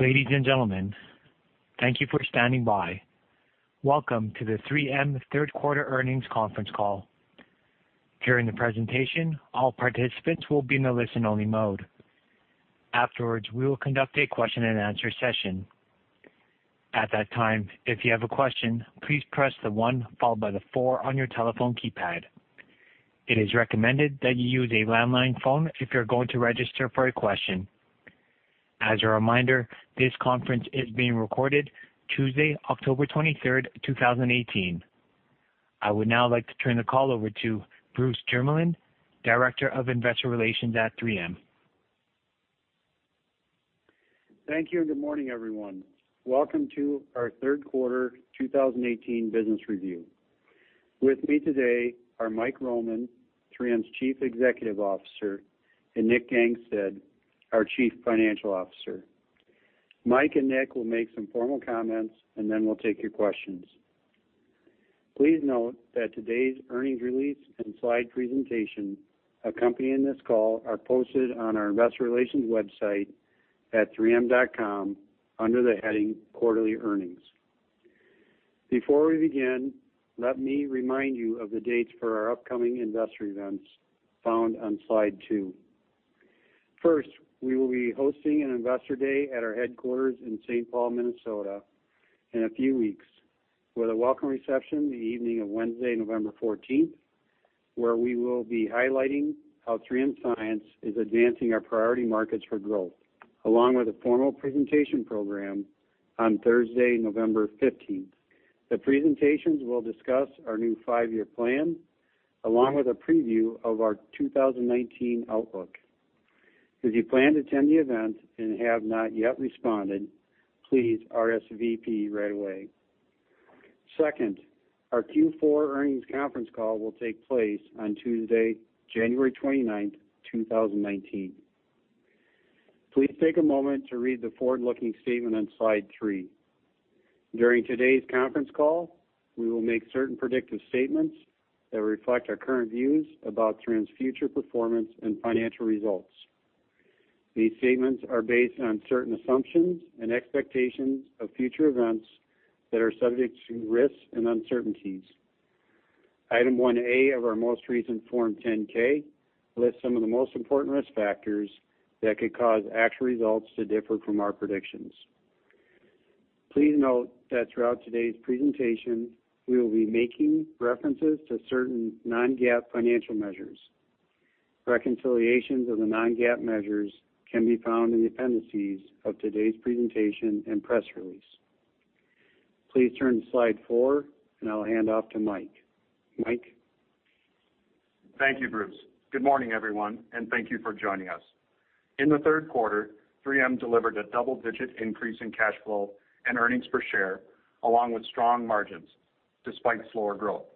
Ladies and gentlemen, thank you for standing by. Welcome to the 3M Third Quarter Earnings Conference Call. During the presentation, all participants will be in the listen-only mode. Afterwards, we will conduct a question-and-answer session. At that time, if you have a question, please press the one followed by the four on your telephone keypad. It is recommended that you use a landline phone if you're going to register for a question. As a reminder, this conference is being recorded Tuesday, October 23rd, 2018. I would now like to turn the call over to Bruce Jermeland, Director of Investor Relations at 3M. Thank you. Good morning, everyone. Welcome to our third quarter 2018 business review. With me today are Mike Roman, 3M's Chief Executive Officer, and Nick Gangestad, our Chief Financial Officer. Mike and Nick will make some formal comments, then we'll take your questions. Please note that today's earnings release and slide presentation accompanying this call are posted on our investor relations website at 3m.com under the heading Quarterly Earnings. Before we begin, let me remind you of the dates for our upcoming investor events found on slide two. First, we will be hosting an Investor Day at our headquarters in St. Paul, Minnesota, in a few weeks with a welcome reception the evening of Wednesday, November 14th, where we will be highlighting how 3M Science is advancing our priority markets for growth, along with a formal presentation program on Thursday, November 15th. The presentations will discuss our new five-year plan, along with a preview of our 2019 outlook. If you plan to attend the event and have not yet responded, please RSVP right away. Second, our Q4 earnings conference call will take place on Tuesday, January 29th, 2019. Please take a moment to read the forward-looking statement on slide three. During today's conference call, we will make certain predictive statements that reflect our current views about 3M's future performance and financial results. These statements are based on certain assumptions and expectations of future events that are subject to risks and uncertainties. Item 1A of our most recent Form 10-K lists some of the most important risk factors that could cause actual results to differ from our predictions. Please note that throughout today's presentation, we will be making references to certain non-GAAP financial measures. Reconciliations of the non-GAAP measures can be found in the appendices of today's presentation and press release. Please turn to slide four. I'll hand off to Mike. Mike? Thank you, Bruce. Good morning, everyone, and thank you for joining us. In the third quarter, 3M delivered a double-digit increase in cash flow and earnings per share, along with strong margins despite slower growth.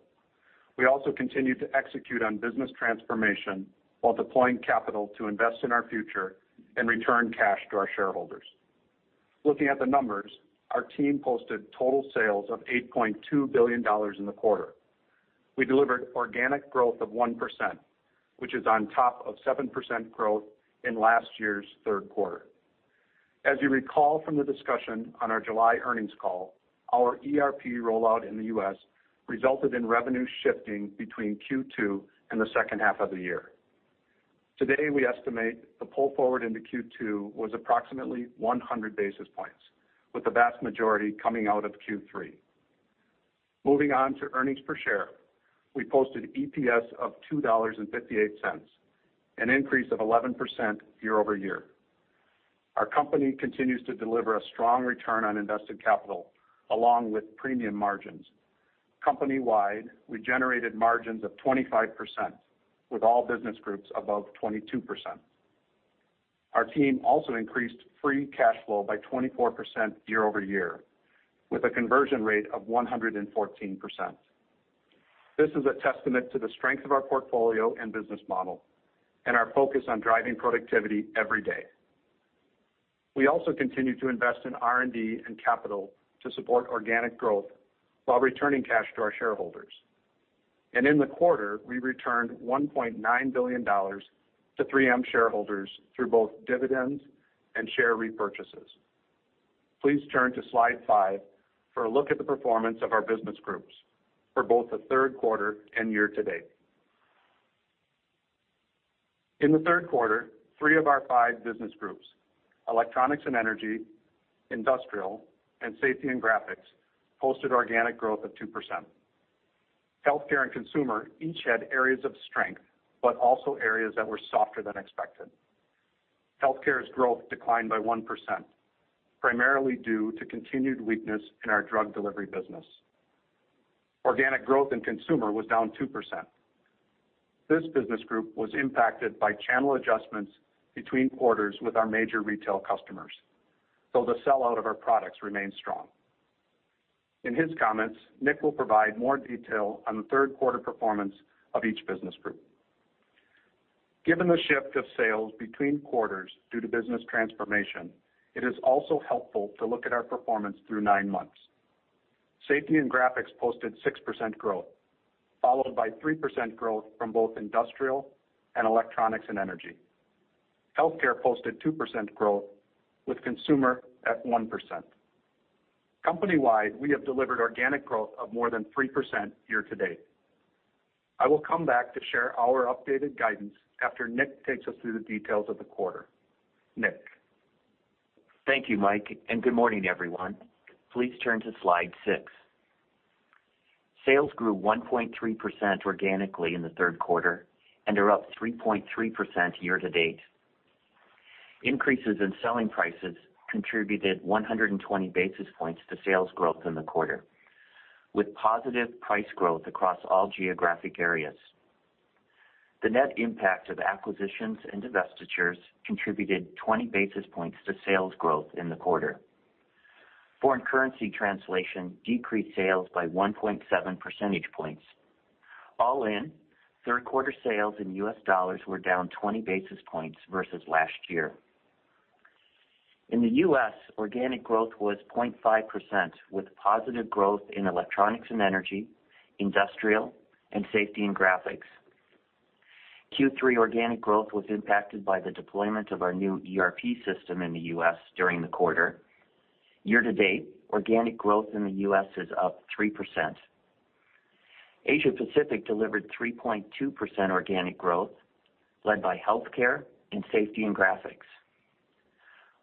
We also continued to execute on business transformation while deploying capital to invest in our future and return cash to our shareholders. Looking at the numbers, our team posted total sales of $8.2 billion in the quarter. We delivered organic growth of 1%, which is on top of 7% growth in last year's third quarter. As you recall from the discussion on our July earnings call, our ERP rollout in the U.S. resulted in revenue shifting between Q2 and the second half of the year. Today, we estimate the pull forward into Q2 was approximately 100 basis points, with the vast majority coming out of Q3. Moving on to earnings per share, we posted EPS of $2.58, an increase of 11% year-over-year. Our company continues to deliver a strong return on invested capital along with premium margins. Company-wide, we generated margins of 25%, with all business groups above 22%. Our team also increased free cash flow by 24% year-over-year, with a conversion rate of 114%. This is a testament to the strength of our portfolio and business model and our focus on driving productivity every day. We also continue to invest in R&D and capital to support organic growth while returning cash to our shareholders. In the quarter, we returned $1.9 billion to 3M shareholders through both dividends and share repurchases. Please turn to slide five for a look at the performance of our business groups for both the third quarter and year-to-date. In the third quarter, three of our five business groups, Electronics and Energy, Industrial, and Safety and Graphics, posted organic growth of 2%. Health Care and Consumer each had areas of strength, but also areas that were softer than expected. Health Care's growth declined by 1%, primarily due to continued weakness in our drug delivery business. Organic growth in Consumer was down 2%. This business group was impacted by channel adjustments between quarters with our major retail customers, though the sellout of our products remained strong. In his comments, Nick will provide more detail on the third quarter performance of each business group. Given the shift of sales between quarters due to business transformation, it is also helpful to look at our performance through nine months. Safety and Graphics posted 6% growth, followed by 3% growth from both Industrial and Electronics and Energy. Health Care posted 2% growth with Consumer at 1%. Company-wide, we have delivered organic growth of more than 3% year-to-date. I will come back to share our updated guidance after Nick takes us through the details of the quarter. Nick. Thank you, Mike, and good morning, everyone. Please turn to Slide 6. Sales grew 1.3% organically in the third quarter and are up 3.3% year-to-date. Increases in selling prices contributed 120 basis points to sales growth in the quarter, with positive price growth across all geographic areas. The net impact of acquisitions and divestitures contributed 20 basis points to sales growth in the quarter. Foreign currency translation decreased sales by 1.7 percentage points. All in, third quarter sales in U.S. dollars were down 20 basis points versus last year. In the U.S., organic growth was 0.5% with positive growth in Electronics and Energy, Industrial, and Safety and Graphics. Q3 organic growth was impacted by the deployment of our new ERP system in the U.S. during the quarter. Year-to-date, organic growth in the U.S. is up 3%. Asia Pacific delivered 3.2% organic growth, led by Health Care and Safety and Graphics.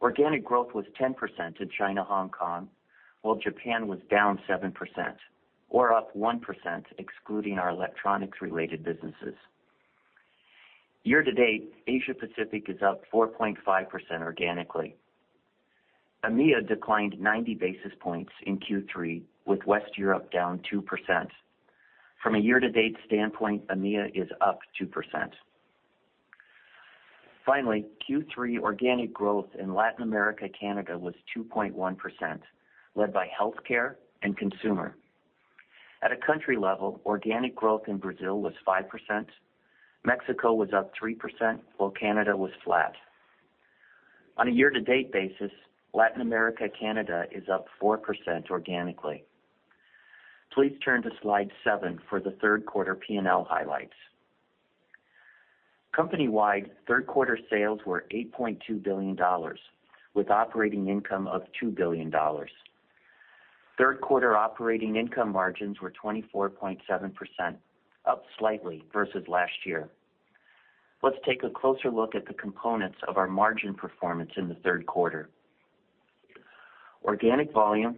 Organic growth was 10% in China/Hong Kong, while Japan was down 7%, or up 1% excluding our electronics-related businesses. Year-to-date, Asia Pacific is up 4.5% organically. EMEA declined 90 basis points in Q3, with West Europe down 2%. From a year-to-date standpoint, EMEA is up 2%. Q3 organic growth in Latin America/Canada was 2.1%, led by Health Care and Consumer. At a country level, organic growth in Brazil was 5%, Mexico was up 3%, while Canada was flat. On a year-to-date basis, Latin America/Canada is up 4% organically. Please turn to Slide 7 for the third quarter P&L highlights. Company-wide, third quarter sales were $8.2 billion, with operating income of $2 billion. Third quarter operating income margins were 24.7%, up slightly versus last year. Let's take a closer look at the components of our margin performance in the third quarter. Organic volume,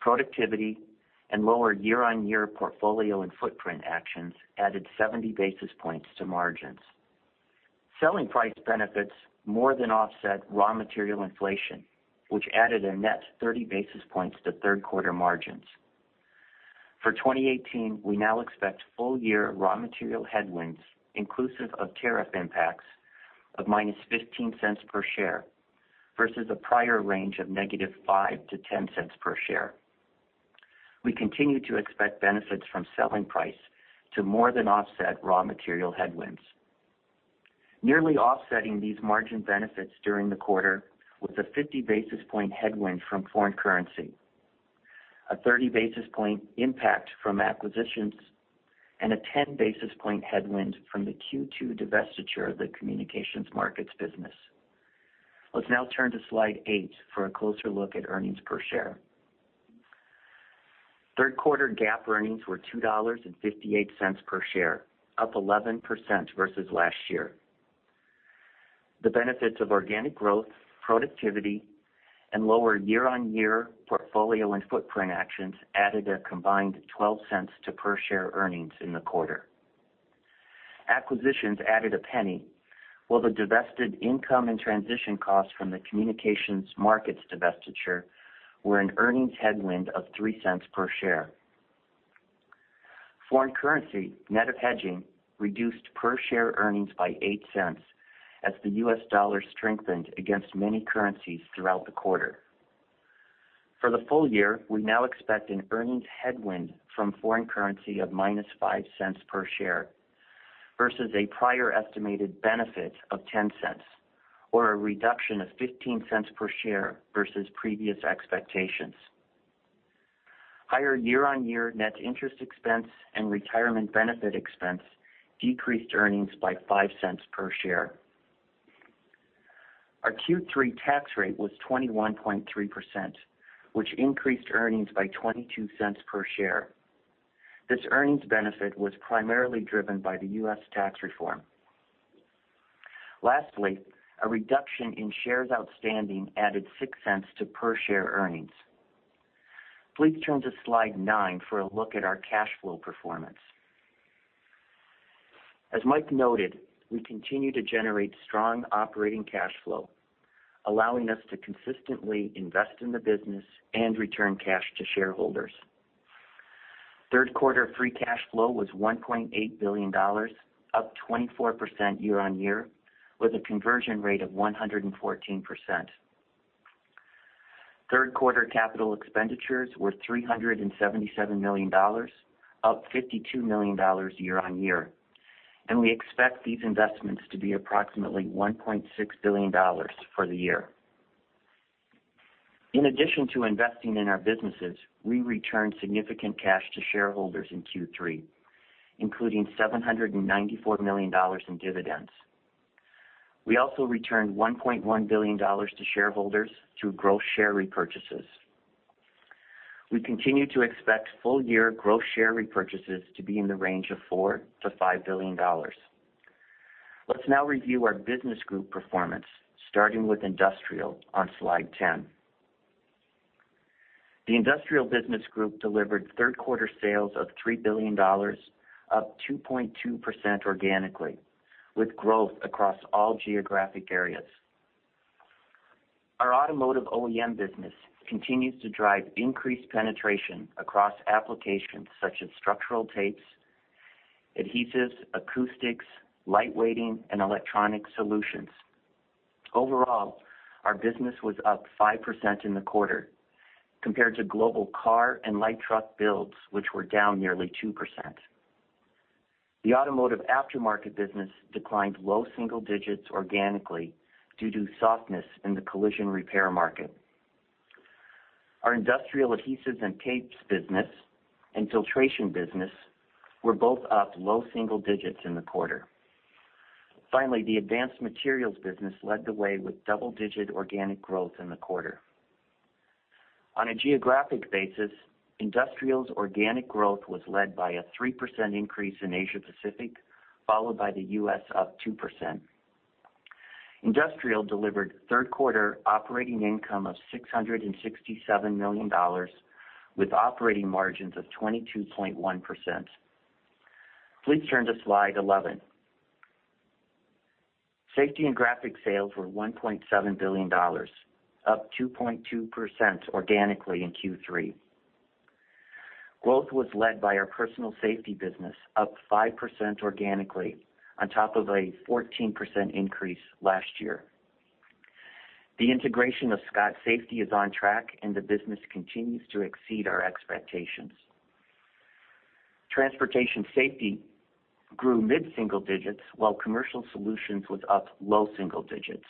productivity, and lower year-on-year portfolio and footprint actions added 70 basis points to margins. Selling price benefits more than offset raw material inflation, which added a net 30 basis points to third quarter margins. For 2018, we now expect full-year raw material headwinds inclusive of tariff impacts of -$0.15 per share versus a prior range of -$0.05 to -$0.10 per share. We continue to expect benefits from selling price to more than offset raw material headwinds. Nearly offsetting these margin benefits during the quarter was a 50 basis point headwind from foreign currency, a 30 basis point impact from acquisitions, and a 10 basis point headwind from the Q2 divestiture of the Communication Markets Division. Let's now turn to Slide 8 for a closer look at earnings per share. Third quarter GAAP earnings were $2.58 per share, up 11% versus last year. The benefits of organic growth, productivity, and lower year-on-year portfolio and footprint actions added a combined $0.12 to per share earnings in the quarter. Acquisitions added $0.01, while the divested income and transition cost from the Communication Markets Division divestiture were an earnings headwind of $0.03 per share. Foreign currency, net of hedging, reduced per share earnings by $0.08 as the U.S. dollar strengthened against many currencies throughout the quarter. For the full year, we now expect an earnings headwind from foreign currency of -$0.05 per share versus a prior estimated benefit of $0.10 or a reduction of $0.15 per share versus previous expectations. Higher year-on-year net interest expense and retirement benefit expense decreased earnings by $0.05 per share. Our Q3 tax rate was 21.3%, which increased earnings by $0.22 per share. This earnings benefit was primarily driven by the U.S. tax reform. Lastly, a reduction in shares outstanding added $0.06 to per share earnings. Please turn to slide nine for a look at our cash flow performance. As Mike noted, we continue to generate strong operating cash flow, allowing us to consistently invest in the business and return cash to shareholders. Third quarter free cash flow was $1.8 billion, up 24% year-on-year with a conversion rate of 114%. Third quarter capital expenditures were $377 million, up $52 million year-on-year. We expect these investments to be approximately $1.6 billion for the year. In addition to investing in our businesses, we returned significant cash to shareholders in Q3, including $794 million in dividends. We also returned $1.1 billion to shareholders through gross share repurchases. We continue to expect full-year gross share repurchases to be in the range of $4 billion-$5 billion. Let's now review our business group performance, starting with Industrial on slide 10. The Industrial business group delivered third-quarter sales of $3 billion, up 2.2% organically, with growth across all geographic areas. Our automotive OEM business continues to drive increased penetration across applications such as structural tapes, adhesives, acoustics, lightweighting, and electronic solutions. Overall, our business was up 5% in the quarter compared to global car and light truck builds, which were down nearly 2%. The automotive aftermarket business declined low single digits organically due to softness in the collision repair market. Our industrial adhesives and tapes business and filtration business were both up low single digits in the quarter. Finally, the advanced materials business led the way with double-digit organic growth in the quarter. On a geographic basis, Industrial's organic growth was led by a 3% increase in Asia Pacific, followed by the U.S., up 2%. Industrial delivered third-quarter operating income of $667 million, with operating margins of 22.1%. Please turn to slide 11. Safety and Graphics sales were $1.7 billion, up 2.2% organically in Q3. Growth was led by our personal safety business, up 5% organically on top of a 14% increase last year. The integration of Scott Safety is on track, and the business continues to exceed our expectations. Transportation safety grew mid-single digits, while commercial solutions was up low single digits.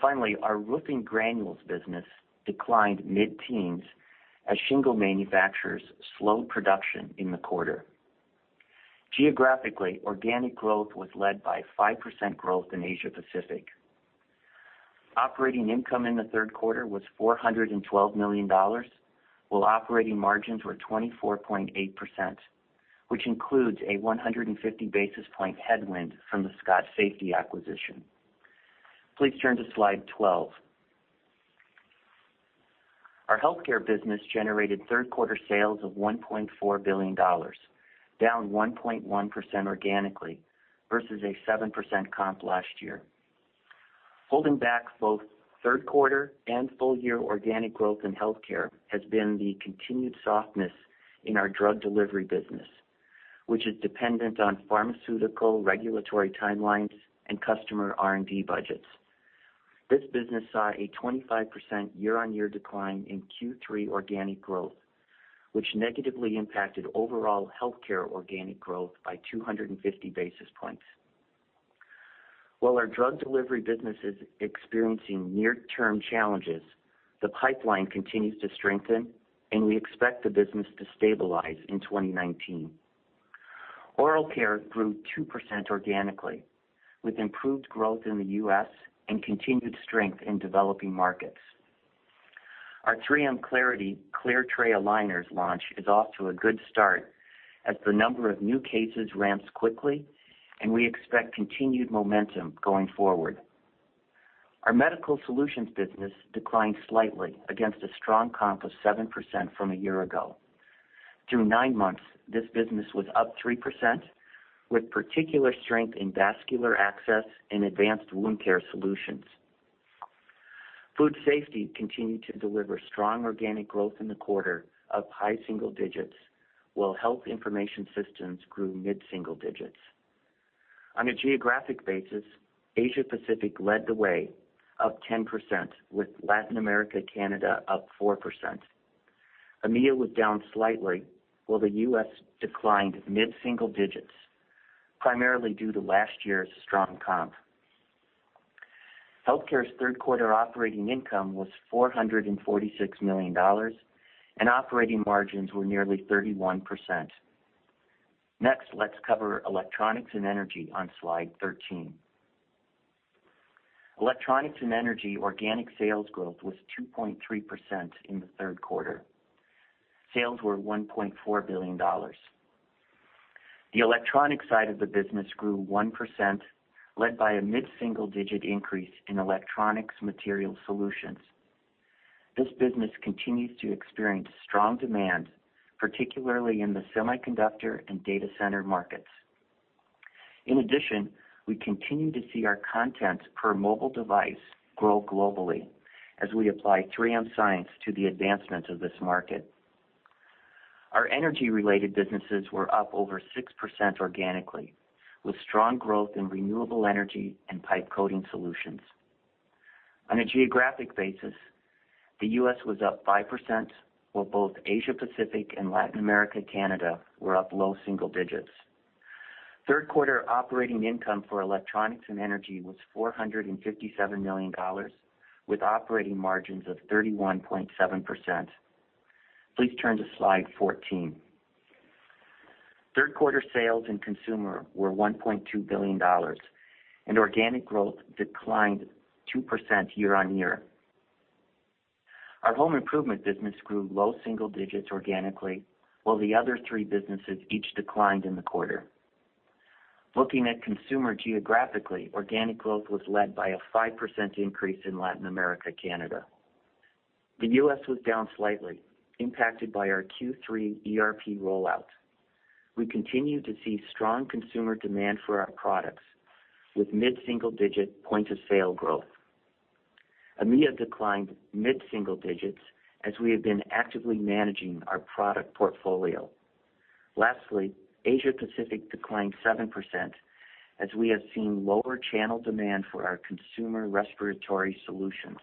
Finally, our roofing granules business declined mid-teens as shingle manufacturers slowed production in the quarter. Geographically, organic growth was led by 5% growth in Asia Pacific. Operating income in the third quarter was $412 million, while operating margins were 24.8%, which includes a 150 basis point headwind from the Scott Safety acquisition. Please turn to slide 12. Our Health Care business generated third-quarter sales of $1.4 billion, down 1.1% organically versus a 7% comp last year. Holding back both third quarter and full-year organic growth in Health Care has been the continued softness in our drug delivery business, which is dependent on pharmaceutical regulatory timelines and customer R&D budgets. This business saw a 25% year-on-year decline in Q3 organic growth, which negatively impacted overall Health Care organic growth by 250 basis points. While our drug delivery business is experiencing near-term challenges, the pipeline continues to strengthen, and we expect the business to stabilize in 2019. Oral care grew 2% organically, with improved growth in the U.S. and continued strength in developing markets. Our 3M Clarity Aligners launch is off to a good start as the number of new cases ramps quickly, and we expect continued momentum going forward. Our Medical Solutions business declined slightly against a strong comp of 7% from a year ago. Through nine months, this business was up 3%, with particular strength in vascular access and advanced wound care solutions. Food safety continued to deliver strong organic growth in the quarter, up high single digits, while health information systems grew mid-single digits. On a geographic basis, Asia Pacific led the way, up 10%, with Latin America/Canada up 4%. EMEA was down slightly, while the U.S. declined mid-single digits, primarily due to last year's strong comp. Health Care's third quarter operating income was $446 million, and operating margins were nearly 31%. Next, let's cover Electronics and Energy on slide 13. Electronics and Energy organic sales growth was 2.3% in the third quarter. Sales were $1.4 billion. The electronics side of the business grew 1%, led by a mid-single-digit increase in electronics material solutions. This business continues to experience strong demand, particularly in the semiconductor and data center markets. We continue to see our content per mobile device grow globally as we apply 3M science to the advancement of this market. Our energy-related businesses were up over 6% organically, with strong growth in renewable energy and pipe coating solutions. On a geographic basis, the U.S. was up 5%, while both Asia Pacific and Latin America/Canada were up low single digits. Third quarter operating income for Electronics and Energy was $457 million, with operating margins of 31.7%. Please turn to slide 14. Third quarter sales in Consumer were $1.2 billion, and organic growth declined 2% year-over-year. Our home improvement business grew low single digits organically, while the other three businesses each declined in the quarter. Looking at Consumer geographically, organic growth was led by a 5% increase in Latin America/Canada. The U.S. was down slightly, impacted by our Q3 ERP rollout. We continue to see strong consumer demand for our products, with mid-single-digit point-of-sale growth. EMEA declined mid-single digits, as we have been actively managing our product portfolio. Asia Pacific declined 7%, as we have seen lower channel demand for our Consumer respiratory solutions.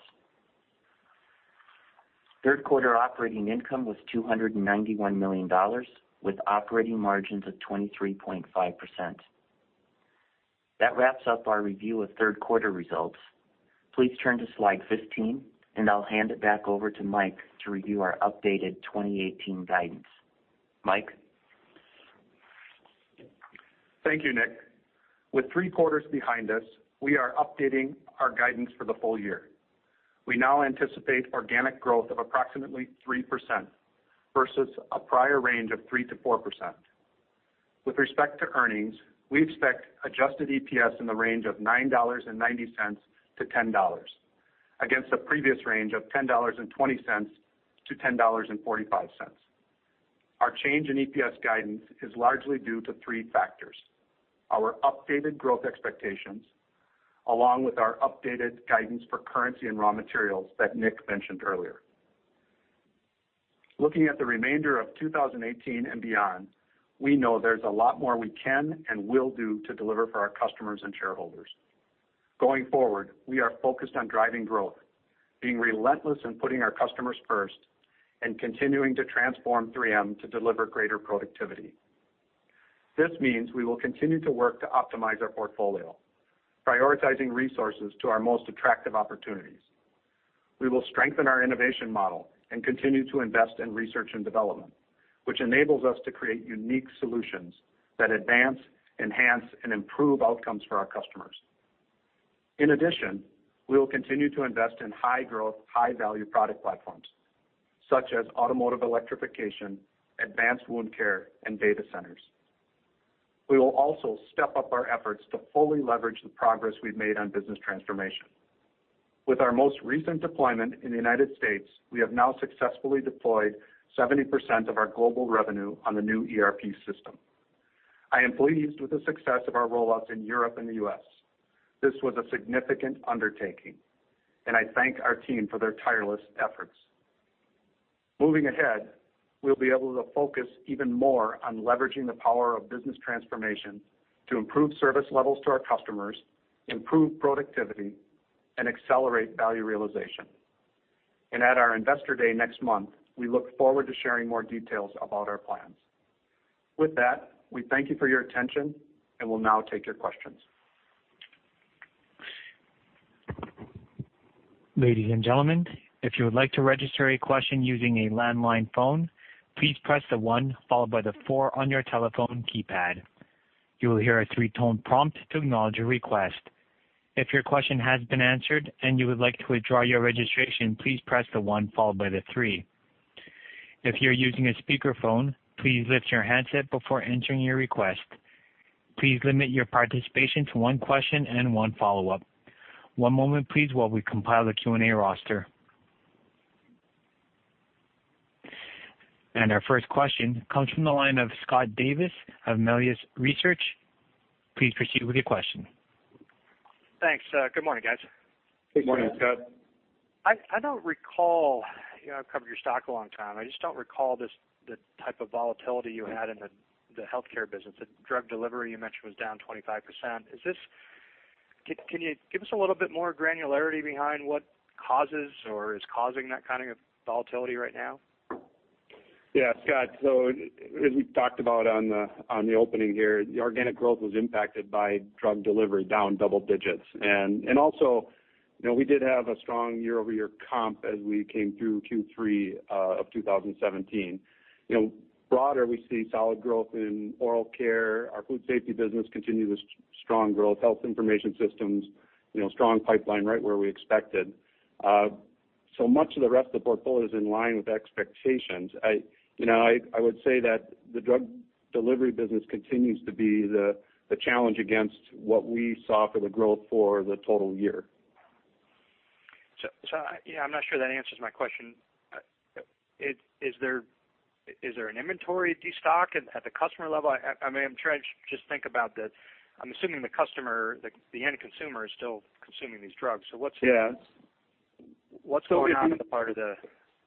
Third quarter operating income was $291 million, with operating margins of 23.5%. That wraps up our review of third quarter results. Please turn to slide 15, and I'll hand it back over to Mike to review our updated 2018 guidance. Mike? Thank you, Nick. With three quarters behind us, we are updating our guidance for the full year. We now anticipate organic growth of approximately 3%, versus a prior range of 3%-4%. With respect to earnings, we expect adjusted EPS in the range of $9.90-$10, against a previous range of $10.20-$10.45. Our change in EPS guidance is largely due to three factors: Our updated growth expectations, along with our updated guidance for currency and raw materials that Nick mentioned earlier. Looking at the remainder of 2018 and beyond, we know there's a lot more we can and will do to deliver for our customers and shareholders. We are focused on driving growth, being relentless in putting our customers first, and continuing to transform 3M to deliver greater productivity. This means we will continue to work to optimize our portfolio, prioritizing resources to our most attractive opportunities. We will strengthen our innovation model and continue to invest in research and development, which enables us to create unique solutions that advance, enhance, and improve outcomes for our customers. In addition, we will continue to invest in high-growth, high-value product platforms, such as automotive electrification, advanced wound care, and data centers. We will also step up our efforts to fully leverage the progress we've made on business transformation. With our most recent deployment in the U.S., we have now successfully deployed 70% of our global revenue on the new ERP system. I am pleased with the success of our rollouts in Europe and the U.S. This was a significant undertaking, and I thank our team for their tireless efforts. Moving ahead, we'll be able to focus even more on leveraging the power of business transformation to improve service levels to our customers, improve productivity, and accelerate value realization. At our investor day next month, we look forward to sharing more details about our plans. With that, we thank you for your attention and will now take your questions. Ladies and gentlemen, if you would like to register a question using a landline phone, please press the one followed by the four on your telephone keypad. You will hear a three-tone prompt to acknowledge your request. If your question has been answered and you would like to withdraw your registration, please press the one followed by the three. If you're using a speakerphone, please lift your handset before entering your request. Please limit your participation to one question and one follow-up. One moment, please, while we compile the Q&A roster. Our first question comes from the line of Scott Davis of Melius Research. Please proceed with your question. Thanks. Good morning, guys. Good morning, Scott. I've covered your stock a long time. I just don't recall the type of volatility you had in the Health Care business. The drug delivery you mentioned was down 25%. Can you give us a little bit more granularity behind what causes or is causing that kind of volatility right now? Yeah, Scott. As we talked about on the opening here, the organic growth was impacted by drug delivery down double digits. Also, we did have a strong year-over-year comp as we came through Q3 of 2017. Broader, we see solid growth in oral care. Our food safety business continues strong growth. Health information systems, strong pipeline, right where we expected. Much of the rest of the portfolio is in line with expectations. I would say that the drug delivery business continues to be the challenge against what we saw for the growth for the total year. I'm not sure that answers my question. Is there an inventory destock at the customer level? I'm trying to just think about. I'm assuming the end consumer is still consuming these drugs. Yes What's going on in the part of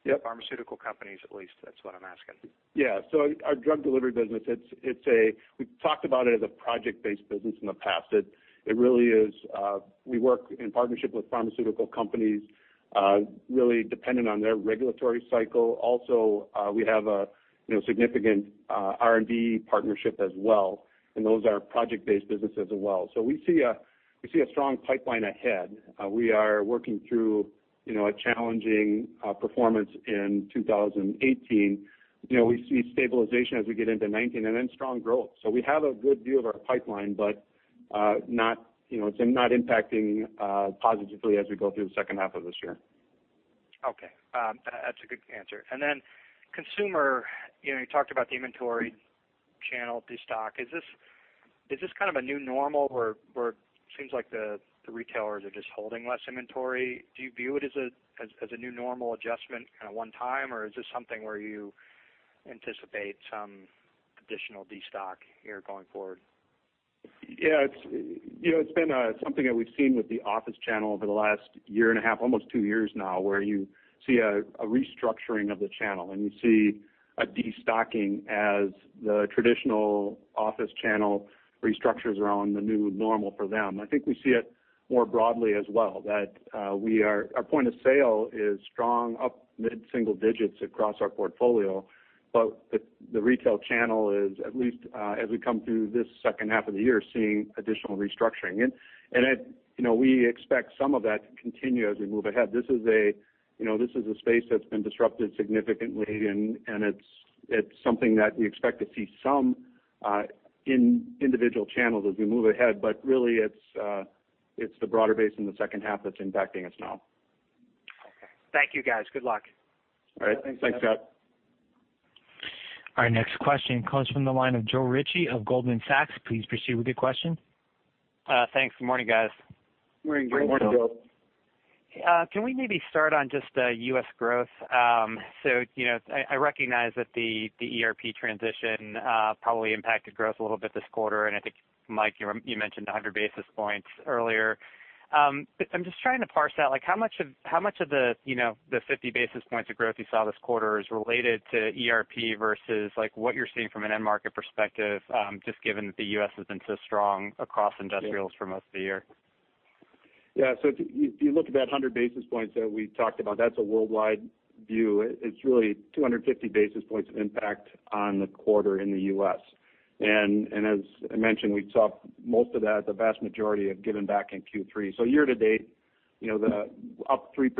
Yep pharmaceutical companies, at least? That's what I'm asking. Yeah. Our drug delivery business, we've talked about it as a project-based business in the past. It really is. We work in partnership with pharmaceutical companies really dependent on their regulatory cycle. Also, we have a significant R&D partnership as well, those are project-based businesses as well. We see a strong pipeline ahead. We are working through a challenging performance in 2018. We see stabilization as we get into 2019, strong growth. We have a good view of our pipeline, but it's not impacting positively as we go through the second half of this year. Okay. That's a good answer. Consumer, you talked about the inventory channel destock. Is this kind of a new normal where it seems like the retailers are just holding less inventory? Do you view it as a new normal adjustment kind of one time, or is this something where you anticipate some additional destock here going forward? Yeah. It's been something that we've seen with the office channel over the last year and a half, almost 2 years now, where you see a restructuring of the channel, and you see a destocking as the traditional office channel restructures around the new normal for them. I think we see it more broadly as well, that our point of sale is strong, up mid-single digits across our portfolio. The retail channel is, at least as we come through this second half of the year, seeing additional restructuring. We expect some of that to continue as we move ahead. This is a space that's been disrupted significantly, and it's something that we expect to see some individual channels as we move ahead. Really, it's the broader base in the second half that's impacting us now. Okay. Thank you, guys. Good luck. All right. Thanks, Scott. Our next question comes from the line of Joe Ritchie of Goldman Sachs. Please proceed with your question. Thanks. Good morning, guys. Morning, Joe. Morning, Joe. Can we maybe start on just U.S. growth? I recognize that the ERP transition probably impacted growth a little bit this quarter, and I think, Mike, you mentioned 100 basis points earlier. I'm just trying to parse out how much of the 50 basis points of growth you saw this quarter is related to ERP versus what you're seeing from an end market perspective, just given that the U.S. has been so strong across industrials for most of the year? Yeah. If you look at that 100 basis points that we talked about, that's a worldwide view. It's really 250 basis points of impact on the quarter in the U.S. As I mentioned, we saw most of that, the vast majority of given back in Q3. Year-to-date, the up 3%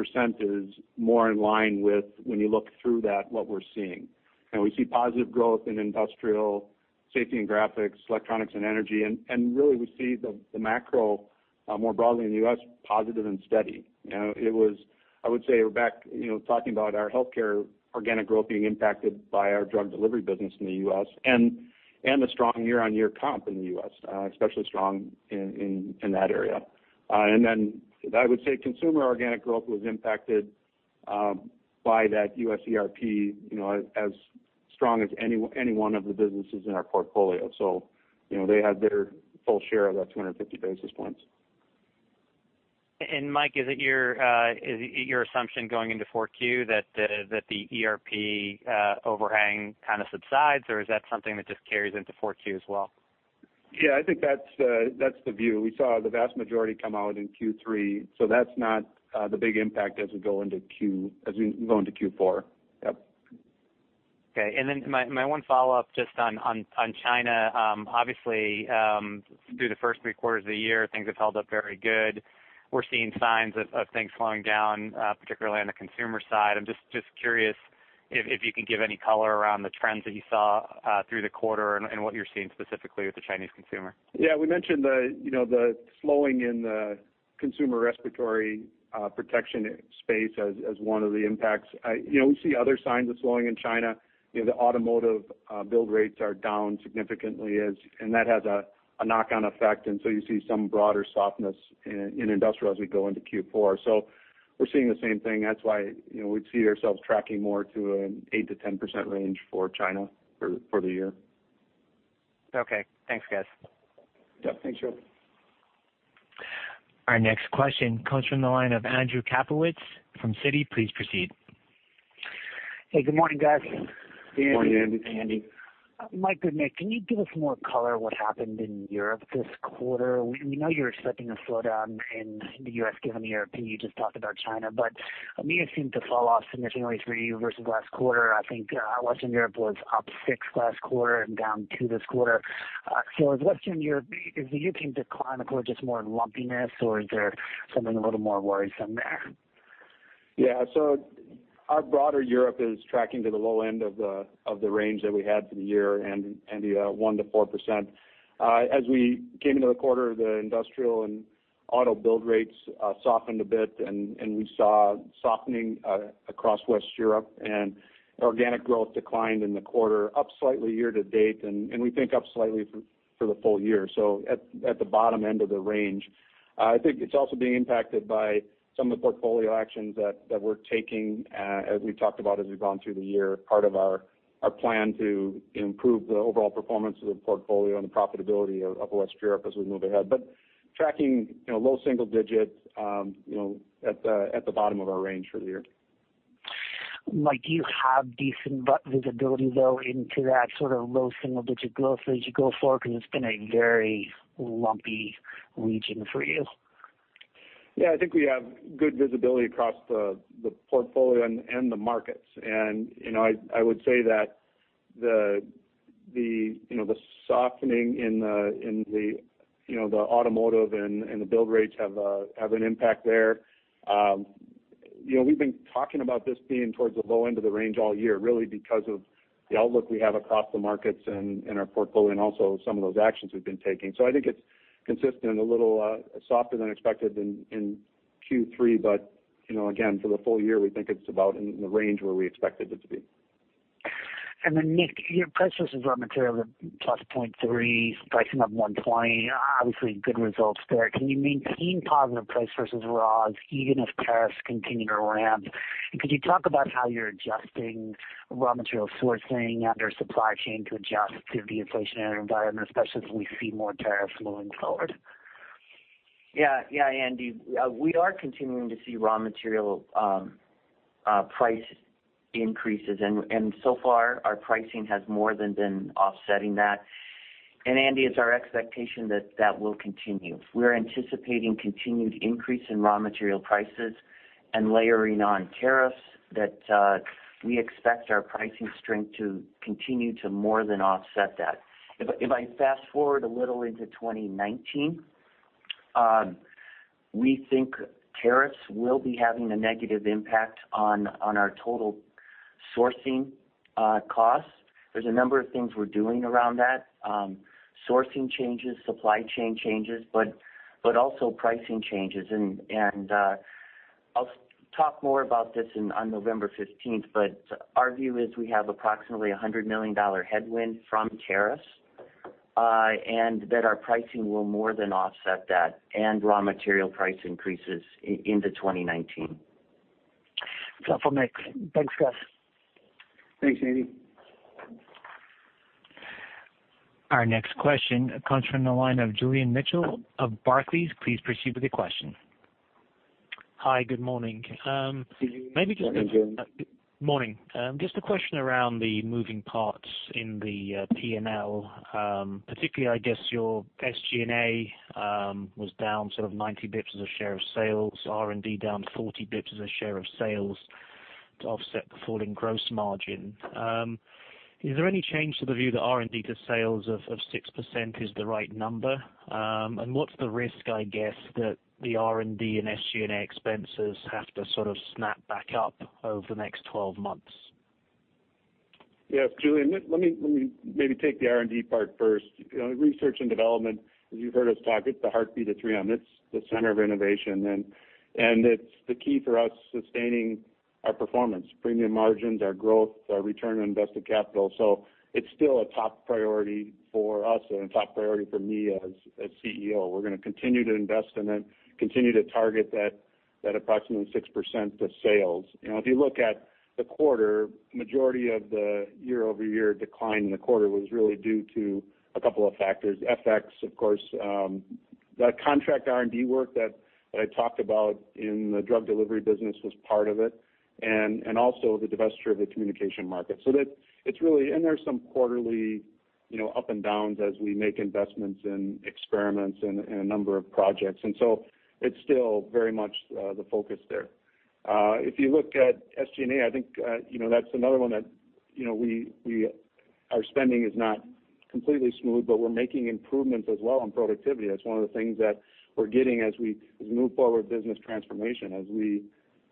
is more in line with when you look through that, what we're seeing. We see positive growth in Industrial, Safety and Graphics, Electronics and Energy, really we see the macro more broadly in the U.S., positive and steady. I would say we're back talking about our Health Care organic growth being impacted by our drug delivery business in the U.S., the strong year-on-year comp in the U.S., especially strong in that area. I would say Consumer organic growth was impacted by that U.S. ERP as strong as any one of the businesses in our portfolio. They had their full share of that 250 basis points. Mike, is it your assumption going into 4Q that the ERP overhang kind of subsides, or is that something that just carries into 4Q as well? Yeah, I think that's the view. We saw the vast majority come out in Q3, that's not the big impact as we go into Q4. Yep. Okay, my one follow-up just on China. Obviously, through the first three quarters of the year, things have held up very good. We're seeing signs of things slowing down, particularly on the Consumer side. I'm just curious if you can give any color around the trends that you saw through the quarter and what you're seeing specifically with the Chinese Consumer. Yeah, we mentioned the slowing in the Consumer respiratory protection space as one of the impacts. We see other signs of slowing in China. The automotive build rates are down significantly, and that has a knock-on effect, you see some broader softness in Industrial as we go into Q4. We're seeing the same thing. That's why we'd see ourselves tracking more to an 8%-10% range for China for the year. Okay. Thanks, guys. Yeah. Thanks, Joe. Our next question comes from the line of Andrew Kaplowitz from Citi. Please proceed. Hey, good morning, guys. Morning, Andy. Morning, Andy. Mike and Nick, can you give us more color what happened in Europe this quarter? We know you're expecting a slowdown in the U.S. given the ERP. You just talked about China, but EMEA seemed to fall off significantly for you versus last quarter. I think Western Europe was up 6% last quarter and down 2% this quarter. As Western Europe, is the U.K. decline a quarter just more lumpiness, or is there something a little more worrisome there? Our broader Europe is tracking to the low end of the range that we had for the year and the 1%-4%. As we came into the quarter, the Industrial and auto build rates softened a bit, and we saw softening across West Europe, and organic growth declined in the quarter, up slightly year to date, and we think up slightly for the full year. At the bottom end of the range. I think it's also being impacted by some of the portfolio actions that we're taking as we've talked about as we've gone through the year, part of our plan to improve the overall performance of the portfolio and the profitability of West Europe as we move ahead. Tracking low single digits at the bottom of our range for the year. Mike, do you have decent visibility though into that low single-digit growth as you go forward? Because it's been a very lumpy region for you. I think we have good visibility across the portfolio and the markets. I would say that the softening in the automotive and the build rates have an impact there. We've been talking about this being towards the low end of the range all year, really because of the outlook we have across the markets and our portfolio, and also some of those actions we've been taking. I think it's consistent, a little softer than expected in Q3, but again, for the full year, we think it's about in the range where we expected it to be. Nick, your price versus raw material of +0.3, pricing up 120, obviously good results there. Can you maintain positive price versus raws even if tariffs continue to ramp? Could you talk about how you're adjusting raw material sourcing under supply chain to adjust to the inflationary environment, especially as we see more tariffs moving forward? Andy, we are continuing to see raw material price increases, so far, our pricing has more than been offsetting that. Andy, it's our expectation that that will continue. We're anticipating continued increase in raw material prices and layering on tariffs that we expect our pricing strength to continue to more than offset that. If I fast-forward a little into 2019, we think tariffs will be having a negative impact on our total sourcing costs. There's a number of things we're doing around that. Sourcing changes, supply chain changes, but also pricing changes. I'll talk more about this on November 15th, our view is we have approximately $100 million headwind from tariffs, that our pricing will more than offset that and raw material price increases into 2019. That's all for Nick. Thanks, guys. Thanks, Andy. Our next question comes from the line of Julian Mitchell of Barclays. Please proceed with your question. Hi, good morning. Good morning, Julian. Morning. Just a question around the moving parts in the P&L. Particularly, I guess your SG&A was down sort of 90 basis points as a share of sales, R&D down 40 basis points as a share of sales to offset the falling gross margin. Is there any change to the view that R&D to sales of 6% is the right number? What's the risk, I guess, that the R&D and SG&A expenses have to sort of snap back up over the next 12 months? Yes, Julian, let me maybe take the R&D part first. Research and development, as you've heard us talk, it's the heartbeat of 3M. It's the center of innovation, and it's the key for us sustaining our performance, premium margins, our growth, our return on invested capital. It's still a top priority for us and a top priority for me as CEO. We're going to continue to invest in it, continue to target that approximately 6% to sales. If you look at the quarter, majority of the year-over-year decline in the quarter was really due to a couple of factors. FX, of course, the contract R&D work that I talked about in the drug delivery business was part of it, also the divesture of the Communication Markets. There's some quarterly up and downs as we make investments in experiments and a number of projects. It's still very much the focus there. If you look at SG&A, I think that's another one that our spending is not completely smooth, but we're making improvements as well on productivity. That's one of the things that we're getting as we move forward with business transformation,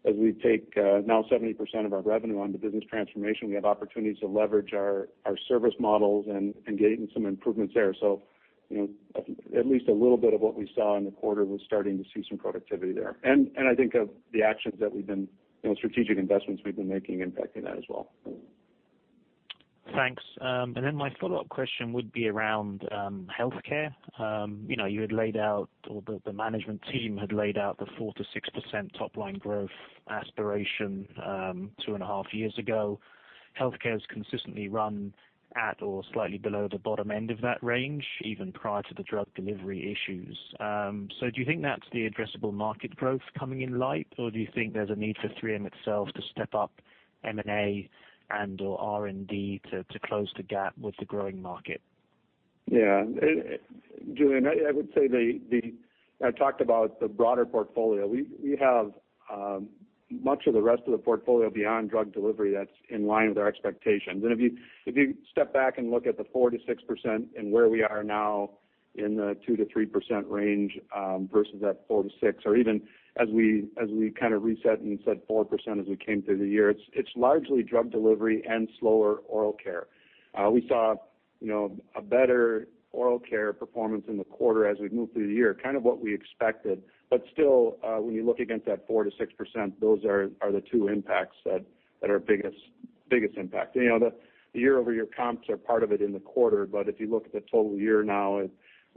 as we take now 70% of our revenue on the business transformation, we have opportunities to leverage our service models and gain some improvements there. At least a little bit of what we saw in the quarter was starting to see some productivity there. I think of the actions that strategic investments we've been making impacting that as well. Thanks. My follow-up question would be around Health Care. You had laid out, or the management team had laid out the 4%-6% top line growth aspiration two and a half years ago. Health Care has consistently run at or slightly below the bottom end of that range, even prior to the drug delivery issues. Do you think that's the addressable market growth coming in light, or do you think there's a need for 3M itself to step up M&A and/or R&D to close the gap with the growing market? Yeah. Julian, I would say I talked about the broader portfolio. We have much of the rest of the portfolio beyond drug delivery that's in line with our expectations. If you step back and look at the 4%-6% and where we are now in the 2%-3% range versus that 4%-6%, or even as we kind of reset and said 4% as we came through the year, it's largely drug delivery and slower oral care. We saw a better oral care performance in the quarter as we've moved through the year, kind of what we expected. Still, when you look against that 4%-6%, those are the two impacts that are biggest impact. The year-over-year comps are part of it in the quarter, if you look at the total year now,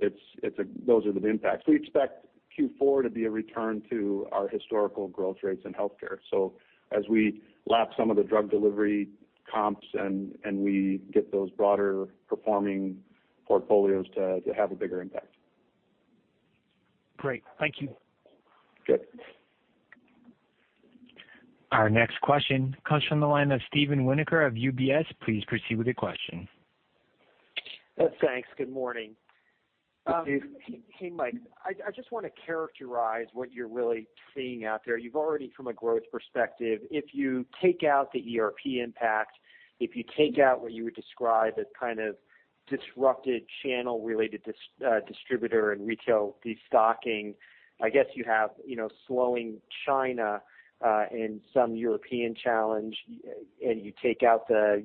those are the impacts. We expect Q4 to be a return to our historical growth rates in healthcare. As we lap some of the drug delivery comps, and we get those broader performing portfolios to have a bigger impact. Great. Thank you. Good. Our next question comes from the line of Steven Winoker of UBS. Please proceed with your question. Thanks. Good morning. Steve. Hey, Mike. I just want to characterize what you're really seeing out there. You've already, from a growth perspective, if you take out the ERP impact, if you take out what you would describe as kind of disrupted channel-related distributor and retail destocking. I guess you have slowing China and some European challenge, and you take out the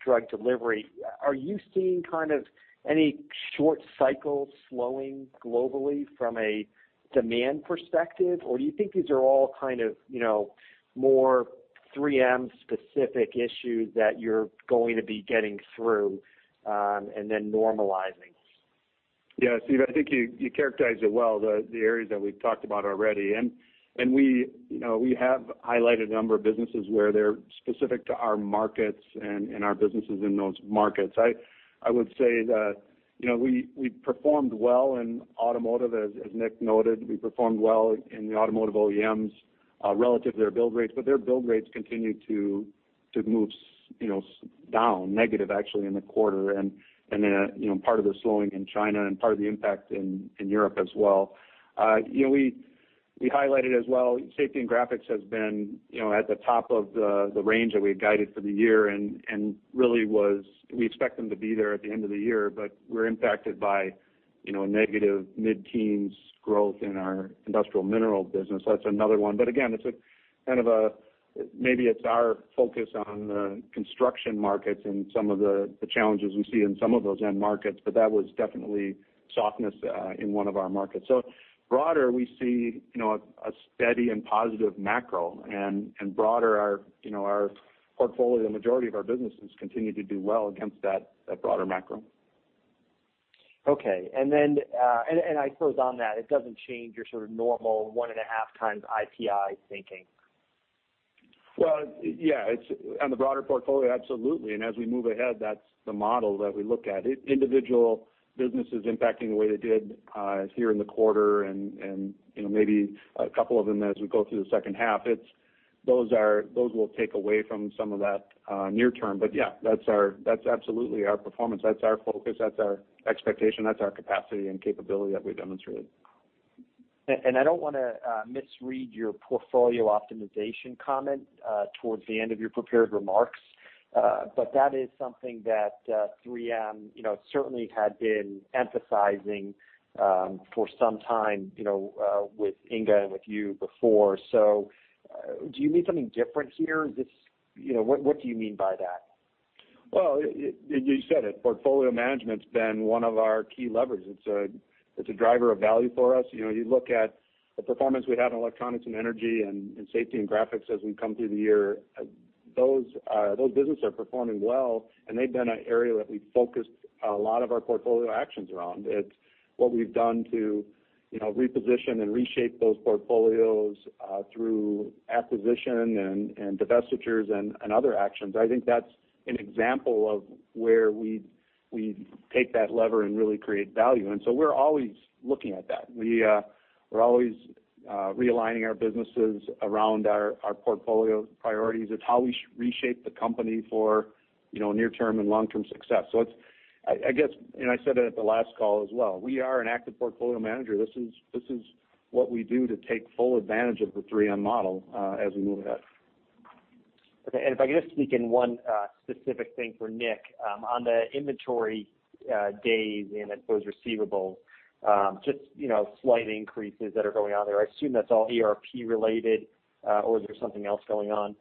drug delivery. Are you seeing kind of any short cycle slowing globally from a demand perspective, or do you think these are all kind of more 3M-specific issues that you're going to be getting through, and then normalizing? Yeah, Steve, I think you characterized it well, the areas that we've talked about already. We have highlighted a number of businesses where they're specific to our markets and our businesses in those markets. I would say that we performed well in automotive, as Nick noted. We performed well in the automotive OEMs, relative to their build rates. Their build rates continued to move down, negative actually, in the quarter. Part of the slowing in China and part of the impact in Europe as well. We highlighted as well, Safety and Graphics has been at the top of the range that we had guided for the year and really we expect them to be there at the end of the year, but we're impacted by a negative mid-teens growth in our Industrial Mineral business. That's another one. Again, maybe it's our focus on the construction markets and some of the challenges we see in some of those end markets, but that was definitely softness in one of our markets. Broader, we see a steady and positive macro, and broader, our portfolio, the majority of our businesses continue to do well against that broader macro. Okay. I suppose on that, it doesn't change your sort of normal one and a half times IPI thinking. Well, yeah. On the broader portfolio, absolutely. As we move ahead, that's the model that we look at. Individual businesses impacting the way they did here in the quarter and maybe a couple of them as we go through the second half, those will take away from some of that near term. Yeah. That's absolutely our performance. That's our focus, that's our expectation, that's our capacity and capability that we've demonstrated. I don't want to misread your portfolio optimization comment towards the end of your prepared remarks. That is something that 3M certainly had been emphasizing for some time with Inge and with you before. Do you mean something different here? What do you mean by that? Well, you said it. Portfolio management's been one of our key levers. It's a driver of value for us. You look at the performance we have in Electronics and Energy and Safety and Graphics as we come through the year, those businesses are performing well. They've been an area that we focused a lot of our portfolio actions around. It's what we've done to reposition and reshape those portfolios through acquisition and divestitures and other actions. I think that's an example of where we take that lever and really create value. We're always looking at that. We're always realigning our businesses around our portfolio priorities. It's how we reshape the company for near-term and long-term success. I guess, I said it at the last call as well, we are an active portfolio manager. This is what we do to take full advantage of the 3M model as we move ahead. Okay. If I could just sneak in one specific thing for Nick. On the inventory days and I suppose receivables, just slight increases that are going on there. I assume that's all ERP related, or is there something else going on?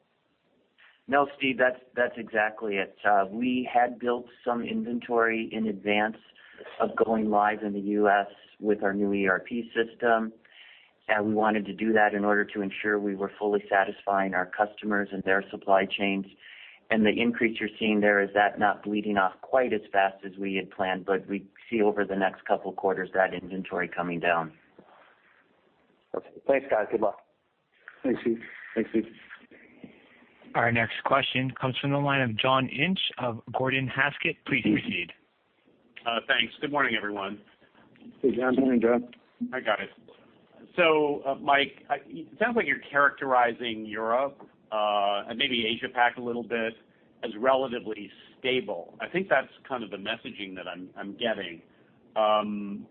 No, Steve, that's exactly it. We had built some inventory in advance of going live in the U.S. with our new ERP system, and we wanted to do that in order to ensure we were fully satisfying our customers and their supply chains. The increase you're seeing there is that not bleeding off quite as fast as we had planned, but we see over the next couple of quarters that inventory coming down. Okay. Thanks, guys. Good luck. Thanks, Steve. Thanks, Steve. Our next question comes from the line of John Inch of Gordon Haskett. Please proceed. Thanks. Good morning, everyone. Hey, John. Morning, John. I got it. Mike, it sounds like you're characterizing Europe, and maybe Asia Pac a little bit, as relatively stable. I think that's kind of the messaging that I'm getting.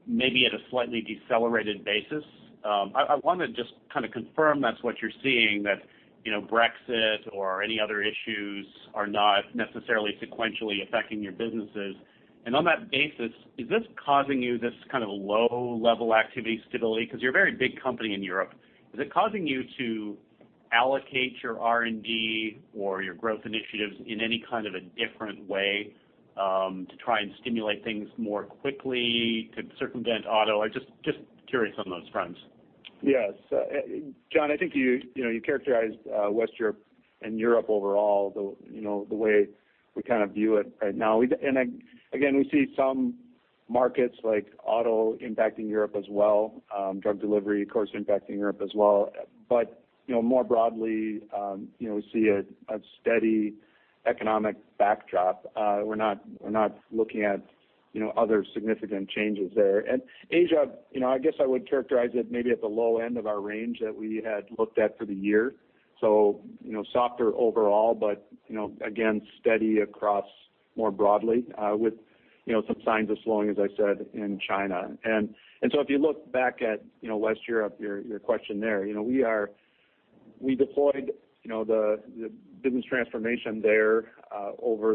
Maybe at a slightly decelerated basis. I want to just kind of confirm that's what you're seeing, that Brexit or any other issues are not necessarily sequentially affecting your businesses. On that basis, is this causing you this kind of low-level activity stability? Because you're a very big company in Europe. Is it causing you to allocate your R&D or your growth initiatives in any kind of a different way to try and stimulate things more quickly to circumvent auto? I'm just curious on those fronts. Yes. John, I think you characterized West Europe and Europe overall the way we kind of view it right now. Again, we see some markets like auto impacting Europe as well. Drug delivery, of course, impacting Europe as well. More broadly we see a steady economic backdrop. We're not looking at other significant changes there. Asia, I guess I would characterize it maybe at the low end of our range that we had looked at for the year. Softer overall, but again, steady across more broadly with some signs of slowing, as I said, in China. If you look back at West Europe, your question there, we deployed the Business Transformation there over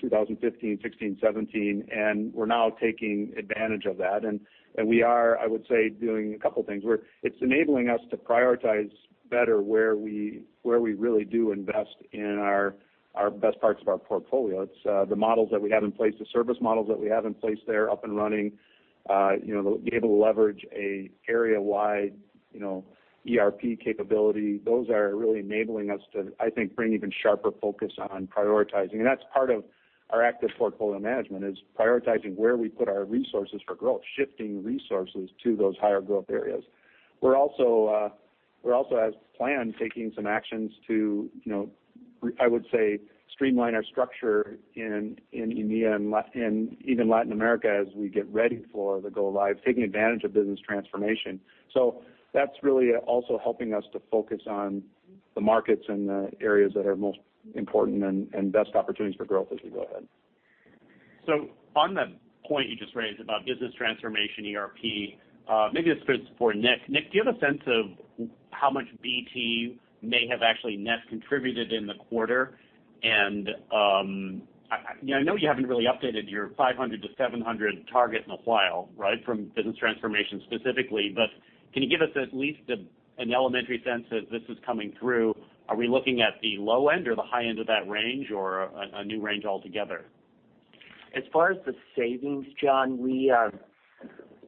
2015, 2016, 2017, we're now taking advantage of that, we are, I would say, doing a couple things where it's enabling us to prioritize better where we really do invest in our best parts of our portfolio. It's the models that we have in place, the service models that we have in place there up and running, be able to leverage a area-wide ERP capability. Those are really enabling us to, I think, bring even sharper focus on prioritizing. That's part of our active portfolio management, is prioritizing where we put our resources for growth, shifting resources to those higher growth areas. We're also, as planned, taking some actions to, I would say, streamline our structure in EMEA and even Latin America as we get ready for the go-live, taking advantage of Business Transformation. That's really also helping us to focus on the markets and the areas that are most important and best opportunities for growth as we go ahead. On the point you just raised about Business Transformation, ERP, maybe this is for Nick. Nick, do you have a sense of how much BT may have actually net contributed in the quarter? I know you haven't really updated your $500-$700 target in a while from Business Transformation specifically, but can you give us at least an elementary sense as this is coming through? Are we looking at the low end or the high end of that range or a new range altogether? As far as the savings, John,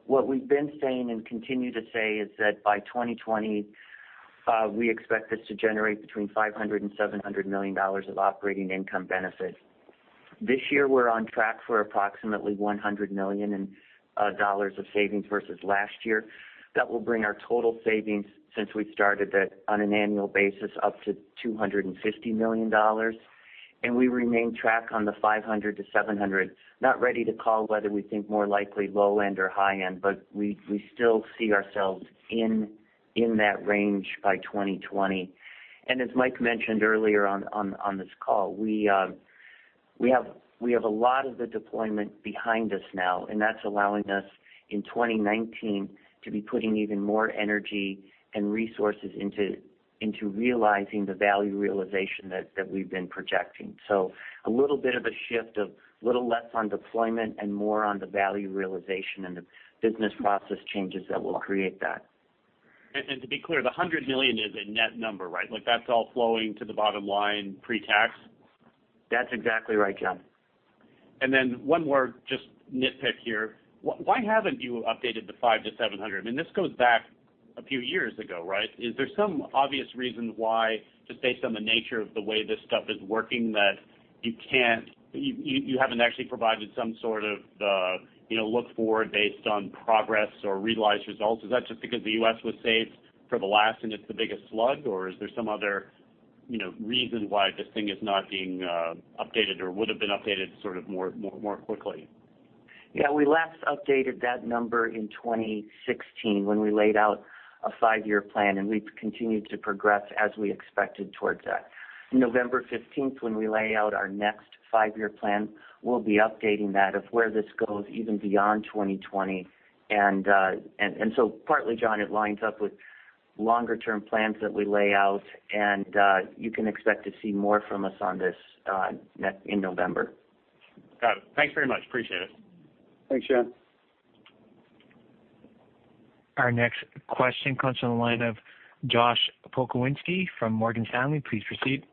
what we've been saying and continue to say is that by 2020, we expect this to generate between $500 million and $700 million of operating income benefit. This year, we're on track for approximately $100 million of savings versus last year. That will bring our total savings since we started it on an annual basis up to $250 million. We remain track on the $500-$700. Not ready to call whether we think more likely low end or high end, but we still see ourselves in that range by 2020. As Mike mentioned earlier on this call, we have a lot of the deployment behind us now, and that's allowing us in 2019 to be putting even more energy and resources into realizing the value realization that we've been projecting. A little bit of a shift of a little less on deployment and more on the value realization and the business process changes that will create that. To be clear, the $100 million is a net number, right? Like that's all flowing to the bottom line pre-tax? That's exactly right, John. One more just nitpick here. Why haven't you updated the $500-$700? I mean, this goes back a few years ago, right? Is there some obvious reason why, just based on the nature of the way this stuff is working, that you haven't actually provided some sort of look forward based on progress or realized results? Is that just because the U.S. was saved for the last, and it's the biggest slug, or is there some other reason why this thing is not being updated or would've been updated sort of more quickly? Yeah. We last updated that number in 2016 when we laid out a five-year plan, and we've continued to progress as we expected towards that. November 15th, when we lay out our next five-year plan, we'll be updating that of where this goes even beyond 2020. Partly, John, it lines up with longer-term plans that we lay out, and you can expect to see more from us on this in November. Got it. Thanks very much. Appreciate it. Thanks, John. Our next question comes from the line of Josh Pokrzywinski from Morgan Stanley. Please proceed.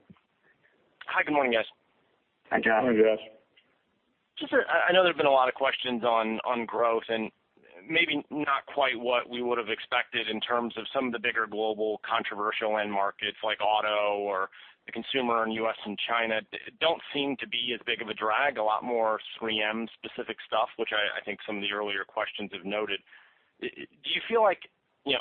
Hi. Good morning, guys. Hi, Josh. Good morning, Josh. I know there have been a lot of questions on growth and maybe not quite what we would've expected in terms of some of the bigger global controversial end markets like auto or the Consumer in U.S. and China don't seem to be as big of a drag, a lot more 3M-specific stuff, which I think some of the earlier questions have noted. Do you feel like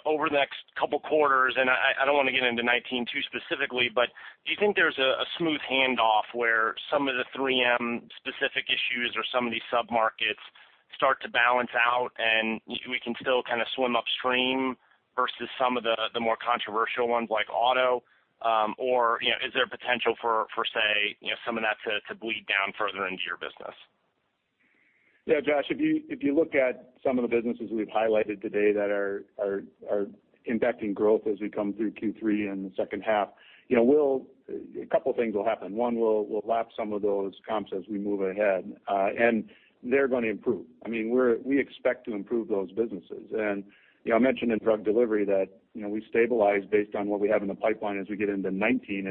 over the next couple quarters, and I don't want to get into 2019 too specifically, but do you think there's a smooth handoff where some of the 3M-specific issues or some of these sub-markets start to balance out, and we can still kind of swim upstream versus some of the more controversial ones like auto? Is there potential for say, some of that to bleed down further into your business? Josh, if you look at some of the businesses we've highlighted today that are impacting growth as we come through Q3 and the second half, a couple of things will happen. One, we'll lap some of those comps as we move ahead. They're going to improve. I mean, we expect to improve those businesses. I mentioned in Drug Delivery that we stabilize based on what we have in the pipeline as we get into 2019,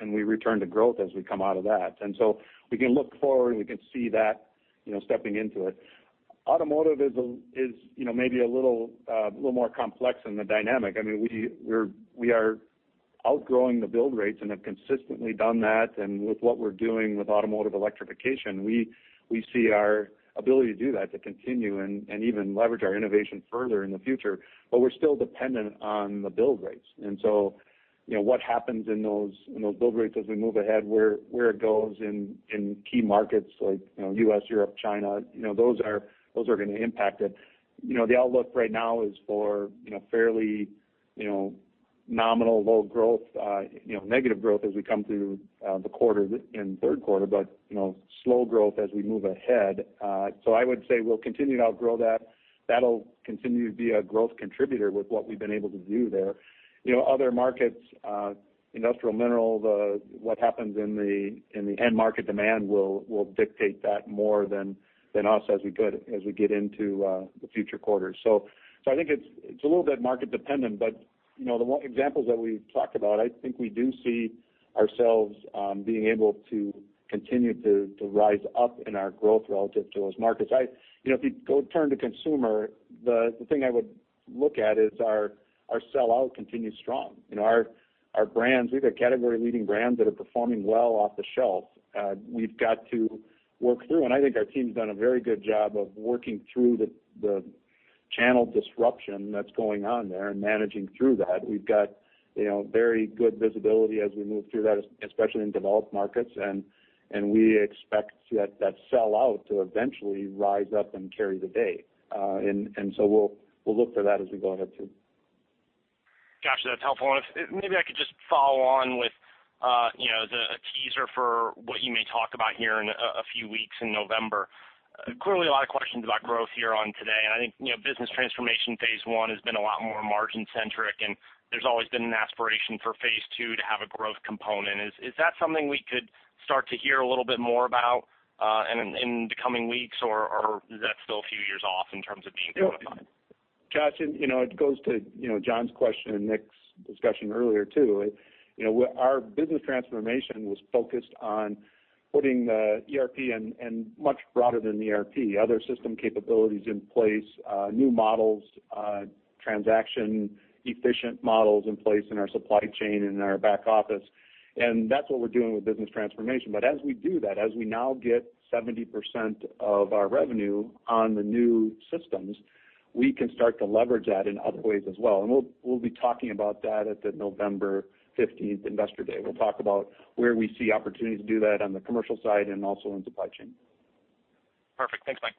and we return to growth as we come out of that. So we can look forward, we can see that stepping into it. Automotive is maybe a little more complex in the dynamic. I mean, we are outgrowing the build rates and have consistently done that. With what we're doing with automotive electrification, we see our ability to do that, to continue and even leverage our innovation further in the future. We're still dependent on the build rates. So what happens in those build rates as we move ahead, where it goes in key markets like U.S., Europe, China, those are going to impact it. The outlook right now is for fairly nominal, low growth, negative growth as we come through the quarter, in third quarter, but slow growth as we move ahead. I would say we'll continue to outgrow that. That'll continue to be a growth contributor with what we've been able to do there. Other markets, Industrial Minerals, what happens in the end market demand will dictate that more than us as we get into the future quarters. I think it's a little bit market dependent, but the examples that we've talked about, I think we do see ourselves being able to continue to rise up in our growth relative to those markets. If you go turn to Consumer, the thing I would look at is our sellout continues strong. Our brands, we've got category leading brands that are performing well off the shelf. We've got to work through, and I think our team's done a very good job of working through the channel disruption that's going on there and managing through that. We've got very good visibility as we move through that, especially in developed markets, and we expect that sellout to eventually rise up and carry the day. We'll look for that as we go ahead, too. Gotcha. That's helpful. If maybe I could just follow on with the teaser for what you may talk about here in a few weeks in November. Clearly a lot of questions about growth here on today, and I think, business transformation phase 1 has been a lot more margin centric, and there's always been an aspiration for phase 2 to have a growth component. Is that something we could start to hear a little bit more about in the coming weeks, or is that still a few years off in terms of being qualified? Josh, it goes to John's question and Nick's discussion earlier, too. Our business transformation was focused on putting the ERP and much broader than ERP, other system capabilities in place, new models, transaction efficient models in place in our supply chain and in our back office. That's what we're doing with business transformation. As we do that, as we now get 70% of our revenue on the new systems, we can start to leverage that in other ways as well. We'll be talking about that at the November 15th investor day. We'll talk about where we see opportunities to do that on the commercial side and also in supply chain. Perfect. Thanks, Mike.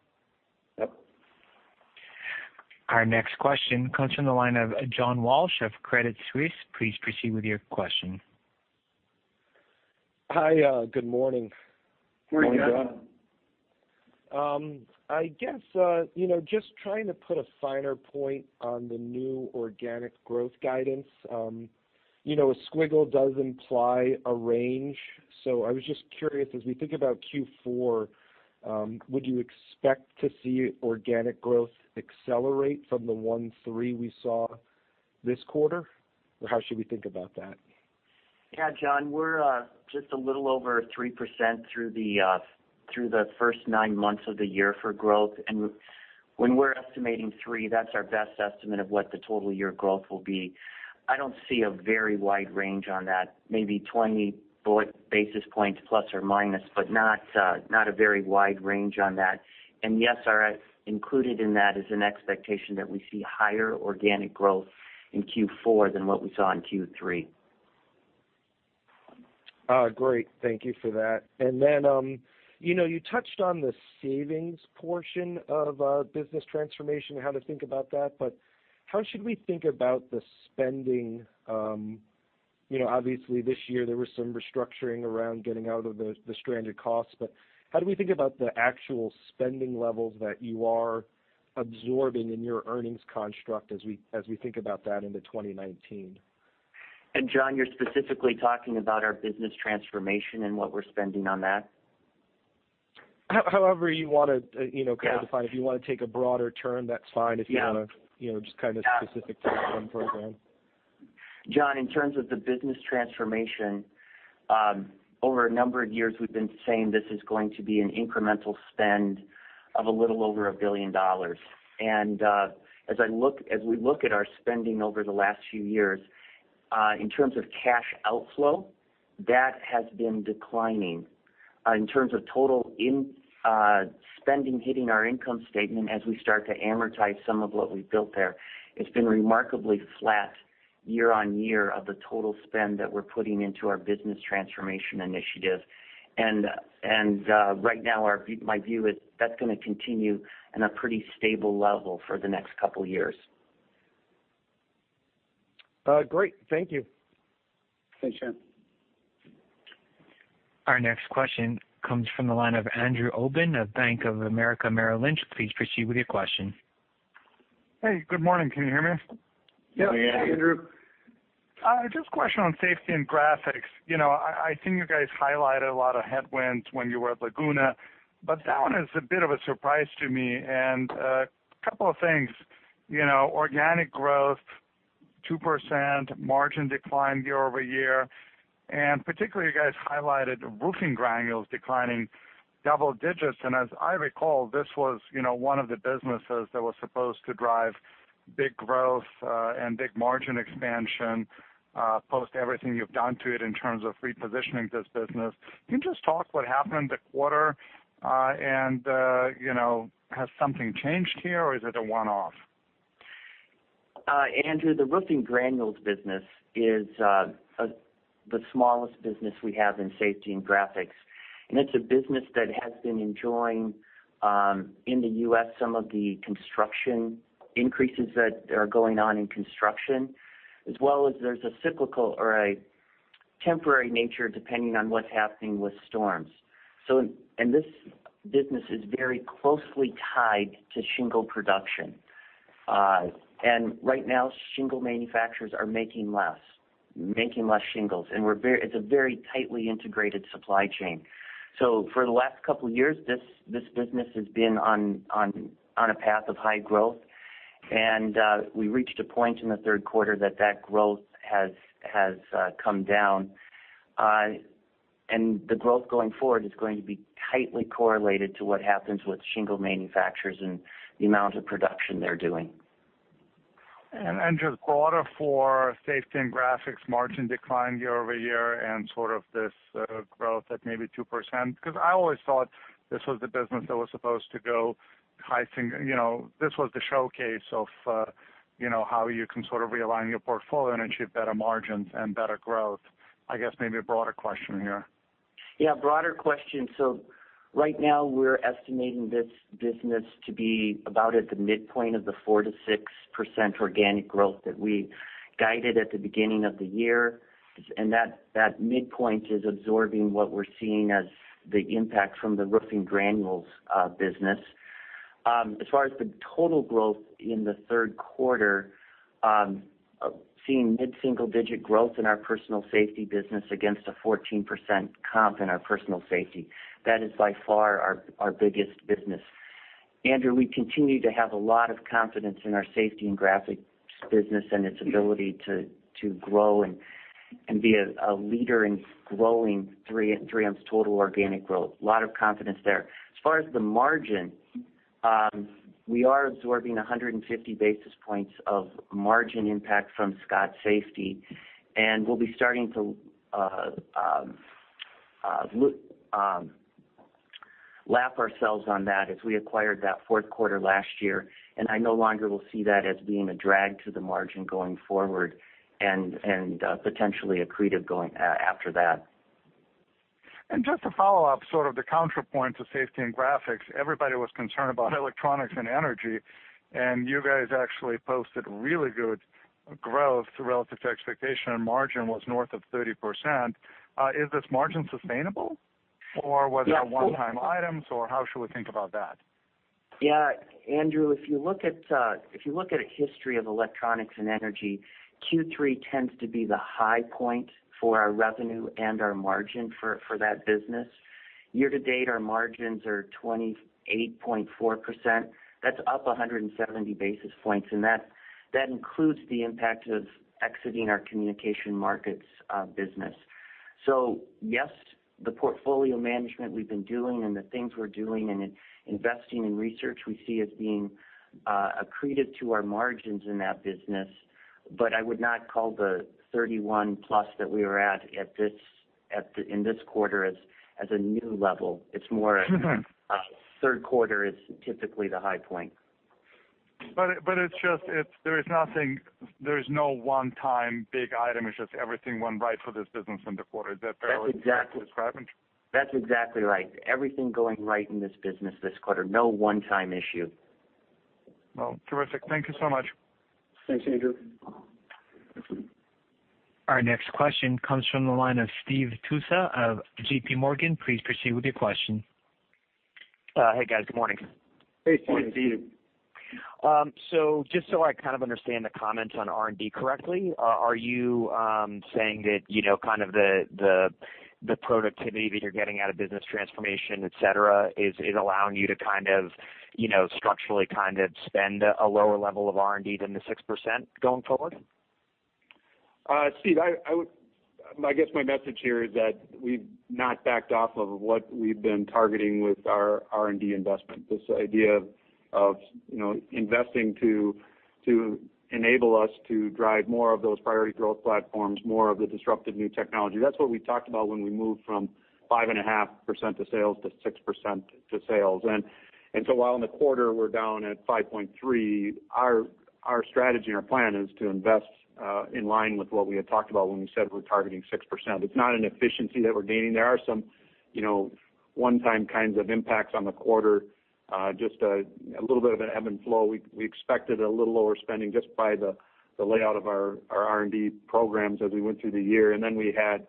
Yep. Our next question comes from the line of John Walsh of Credit Suisse. Please proceed with your question. Hi, good morning. Morning, John. I guess, just trying to put a finer point on the new organic growth guidance. A squiggle does imply a range, I was just curious, as we think about Q4, would you expect to see organic growth accelerate from the 1.3 we saw this quarter? How should we think about that? Yeah, John, we're just a little over 3% through the first nine months of the year for growth. When we're estimating 3, that's our best estimate of what the total year growth will be. I don't see a very wide range on that. Maybe 20 basis points plus or minus, but not a very wide range on that. Yes, included in that is an expectation that we see higher organic growth in Q4 than what we saw in Q3. Great. Thank you for that. You touched on the savings portion of business transformation and how to think about that, but how should we think about the spending? Obviously, this year there was some restructuring around getting out of the stranded costs, but how do we think about the actual spending levels that you are absorbing in your earnings construct as we think about that into 2019? John, you're specifically talking about our business transformation and what we're spending on that? However you want to- Yeah kind of define. If you want to take a broader term, that's fine. Yeah. If you want to just kind of specific to one program. John, in terms of the business transformation, over a number of years, we've been saying this is going to be an incremental spend of a little over $1 billion. As we look at our spending over the last few years, in terms of cash outflow, that has been declining. In terms of total spending hitting our income statement as we start to amortize some of what we've built there, it's been remarkably flat year-on-year of the total spend that we're putting into our Business Transformation Initiative. Right now, my view is that's going to continue in a pretty stable level for the next couple years. Great. Thank you. Thanks, John. Our next question comes from the line of Andrew Obin of Bank of America Merrill Lynch. Please proceed with your question. Hey, good morning. Can you hear me? Yep. Yeah. Hey, Andrew. Just a question on Safety and Graphics. I think you guys highlighted a lot of headwinds when you were at Laguna, but that one is a bit of a surprise to me. A couple of things, organic growth, 2%, margin decline year-over-year. Particularly, you guys highlighted roofing granules declining double-digits. As I recall, this was one of the businesses that was supposed to drive big growth and big margin expansion, post everything you've done to it in terms of repositioning this business. Can you just talk what happened in the quarter, and has something changed here, or is it a one-off? Andrew, the roofing granules business is the smallest business we have in Safety and Graphics, and it's a business that has been enjoying, in the U.S., some of the construction increases that are going on in construction. There's a cyclical or a temporary nature depending on what's happening with storms. This business is very closely tied to shingle production. Right now, shingle manufacturers are making less shingles, and it's a very tightly integrated supply chain. For the last couple of years, this business has been on a path of high growth, we reached a point in the third quarter that growth has come down. The growth going forward is going to be tightly correlated to what happens with shingle manufacturers and the amount of production they're doing. Just broader for Safety and Graphics margin decline year-over-year and sort of this growth at maybe 2%. I always thought this was the business that was supposed to go. This was the showcase of how you can sort of realign your portfolio and achieve better margins and better growth. I guess maybe a broader question here. Yeah, broader question. Right now we're estimating this business to be about at the midpoint of the 4%-6% organic growth that we guided at the beginning of the year. That midpoint is absorbing what we're seeing as the impact from the roofing granules business. As far as the total growth in the third quarter, seeing mid-single-digit growth in our personal safety business against a 14% comp in our personal safety. That is by far our biggest business. Andrew, we continue to have a lot of confidence in our Safety and Graphics business and its ability to grow and be a leader in growing 3M's total organic growth. A lot of confidence there. As far as the margin, we are absorbing 150 basis points of margin impact from Scott Safety, we'll be starting to lap ourselves on that as we acquired that fourth quarter last year. I no longer will see that as being a drag to the margin going forward and potentially accretive after that. Just to follow up sort of the counterpoint to Safety and Graphics, everybody was concerned about Electronics and Energy, you guys actually posted really good growth relative to expectation, and margin was north of 30%. Is this margin sustainable, or was that one-time items, or how should we think about that? Yeah, Andrew, if you look at a history of Electronics and Energy, Q3 tends to be the high point for our revenue and our margin for that business. Year to date, our margins are 28.4%. That's up 170 basis points, that includes the impact of exiting our Communication Markets business. Yes, the portfolio management we've been doing and the things we're doing and investing in research we see as being accretive to our margins in that business. I would not call the 31 plus that we are at in this quarter as a new level. It's more- third quarter is typically the high point. There's no one-time big item. It's just everything went right for this business in the quarter. Is that fairly- That's exactly- describing? That's exactly right. Everything going right in this business this quarter. No one-time issue. Well, terrific. Thank you so much. Thanks, Andrew. Our next question comes from the line of Steve Tusa of J.P. Morgan. Please proceed with your question. Hey, guys. Good morning. Hey, Steve. Morning, Steve. Just so I kind of understand the comments on R&D correctly, are you saying that kind of the productivity that you're getting out of business transformation, et cetera, is allowing you to kind of structurally spend a lower level of R&D than the 6% going forward? Steve, I guess my message here is that we've not backed off of what we've been targeting with our R&D investment. This idea of investing to enable us to drive more of those priority growth platforms, more of the disruptive new technology. That's what we talked about when we moved from 5.5% to sales to 6% to sales. While in the quarter we're down at 5.3%, our strategy and our plan is to invest in line with what we had talked about when we said we're targeting 6%. It's not an efficiency that we're gaining. There are some one-time kinds of impacts on the quarter, just a little bit of an ebb and flow. We expected a little lower spending just by the layout of our R&D programs as we went through the year. We had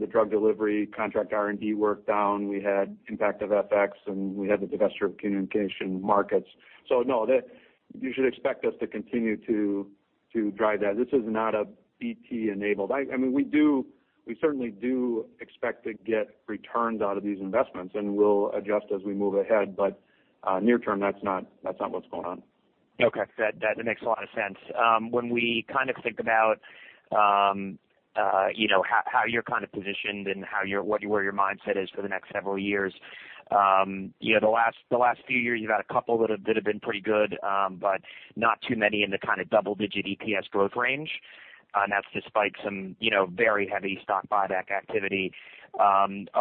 the Drug Delivery contract R&D work down. We had impact of FX, we had the divesture of Communication Markets. No, you should expect us to continue to drive that. This is not a BT enabled. We certainly do expect to get returns out of these investments, and we'll adjust as we move ahead. Near term, that's not what's going on. Okay. That makes a lot of sense. When we think about how you're positioned and where your mindset is for the next several years. The last few years, you've had a couple that have been pretty good, but not too many in the kind of double-digit EPS growth range, and that's despite some very heavy stock buyback activity.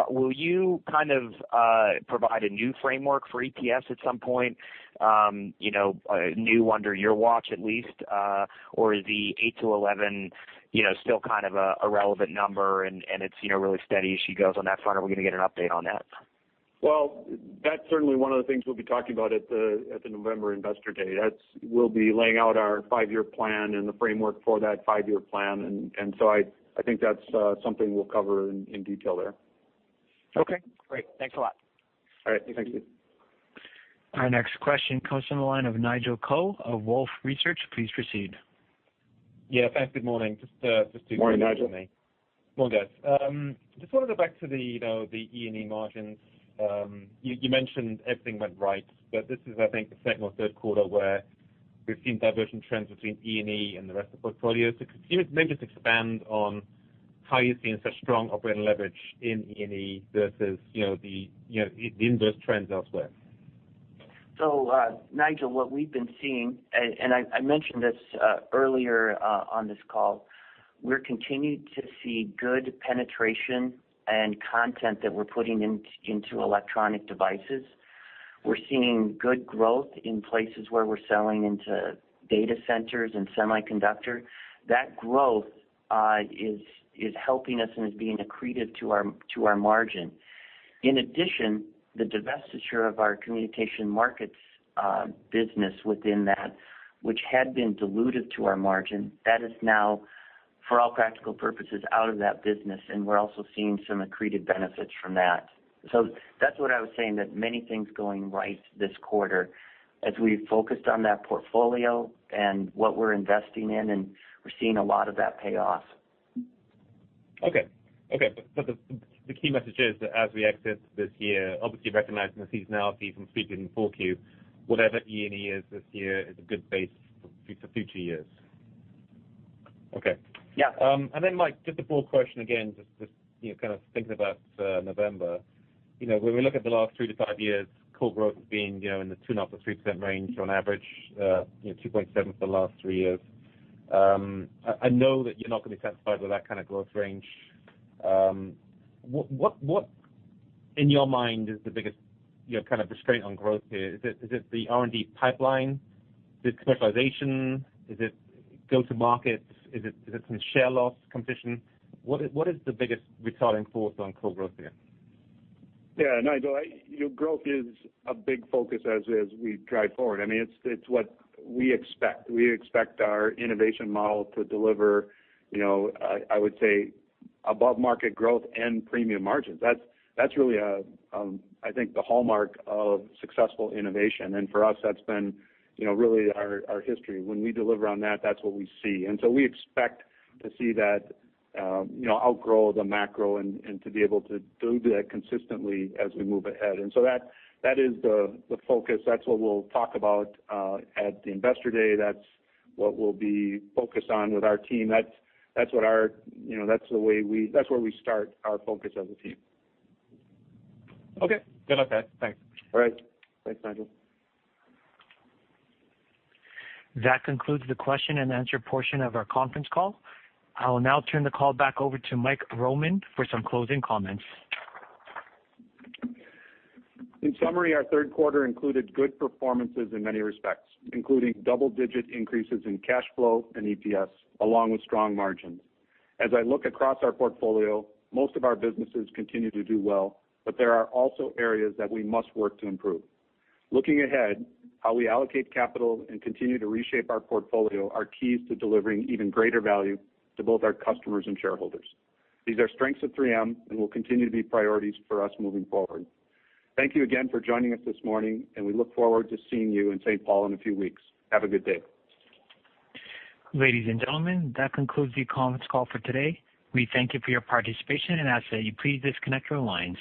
Will you provide a new framework for EPS at some point, new under your watch at least? Or is the 8-11 still a relevant number, and it's really steady as she goes on that front? Are we going to get an update on that? Well, that's certainly one of the things we'll be talking about at the November investor day. We'll be laying out our five-year plan and the framework for that five-year plan. I think that's something we'll cover in detail there. Okay, great. Thanks a lot. All right. Thank you. Our next question comes from the line of Nigel Coe of Wolfe Research. Please proceed. Yeah, thanks. Good morning. Morning, Nigel. Morning, guys. Just want to go back to the E&E margins. You mentioned everything went right, this is, I think, the second or third quarter where we've seen divergent trends between E&E and the rest of the portfolio. Maybe just expand on how you're seeing such strong operating leverage in E&E versus the inverse trends elsewhere. Nigel, what we've been seeing, and I mentioned this earlier on this call, we're continuing to see good penetration and content that we're putting into electronic devices. We're seeing good growth in places where we're selling into data centers and semiconductor. That growth is helping us and is being accretive to our margin. In addition, the divestiture of our Communication Markets business within that, which had been dilutive to our margin, that is now, for all practical purposes, out of that business, and we're also seeing some accretive benefits from that. That's what I was saying, that many things going right this quarter as we've focused on that portfolio and what we're investing in, and we're seeing a lot of that pay off. The key message is that as we exit this year, obviously recognizing the seasonality from speaking in 4Q, whatever E&E is this year is a good base for future years. Yeah. Mike, just a broad question again, just kind of thinking about November. When we look at the last 3-5 years, core growth has been in the 2.5%-3% range on average, 2.7% for the last three years. I know that you're not going to be satisfied with that kind of growth range. What, in your mind, is the biggest constraint on growth here? Is it the R&D pipeline? Is it commercialization? Is it go-to-markets? Is it some share loss competition? What is the biggest retarding force on core growth here? Nigel, growth is a big focus as we drive forward. It's what we expect. We expect our innovation model to deliver, I would say, above-market growth and premium margins. That's really, I think, the hallmark of successful innovation, and for us, that's been really our history. When we deliver on that's what we see. We expect to see that outgrow the macro and to be able to do that consistently as we move ahead. That is the focus. That's what we'll talk about at the investor day. That's what we'll be focused on with our team. That's where we start our focus as a team. Okay. Good. Okay, thanks. All right. Thanks, Nigel. That concludes the question and answer portion of our conference call. I will now turn the call back over to Mike Roman for some closing comments. In summary, our third quarter included good performances in many respects, including double-digit increases in cash flow and EPS, along with strong margins. As I look across our portfolio, most of our businesses continue to do well, but there are also areas that we must work to improve. Looking ahead, how we allocate capital and continue to reshape our portfolio are keys to delivering even greater value to both our customers and shareholders. These are strengths of 3M and will continue to be priorities for us moving forward. Thank you again for joining us this morning, and we look forward to seeing you in St. Paul in a few weeks. Have a good day. Ladies and gentlemen, that concludes the conference call for today. We thank you for your participation and ask that you please disconnect your lines.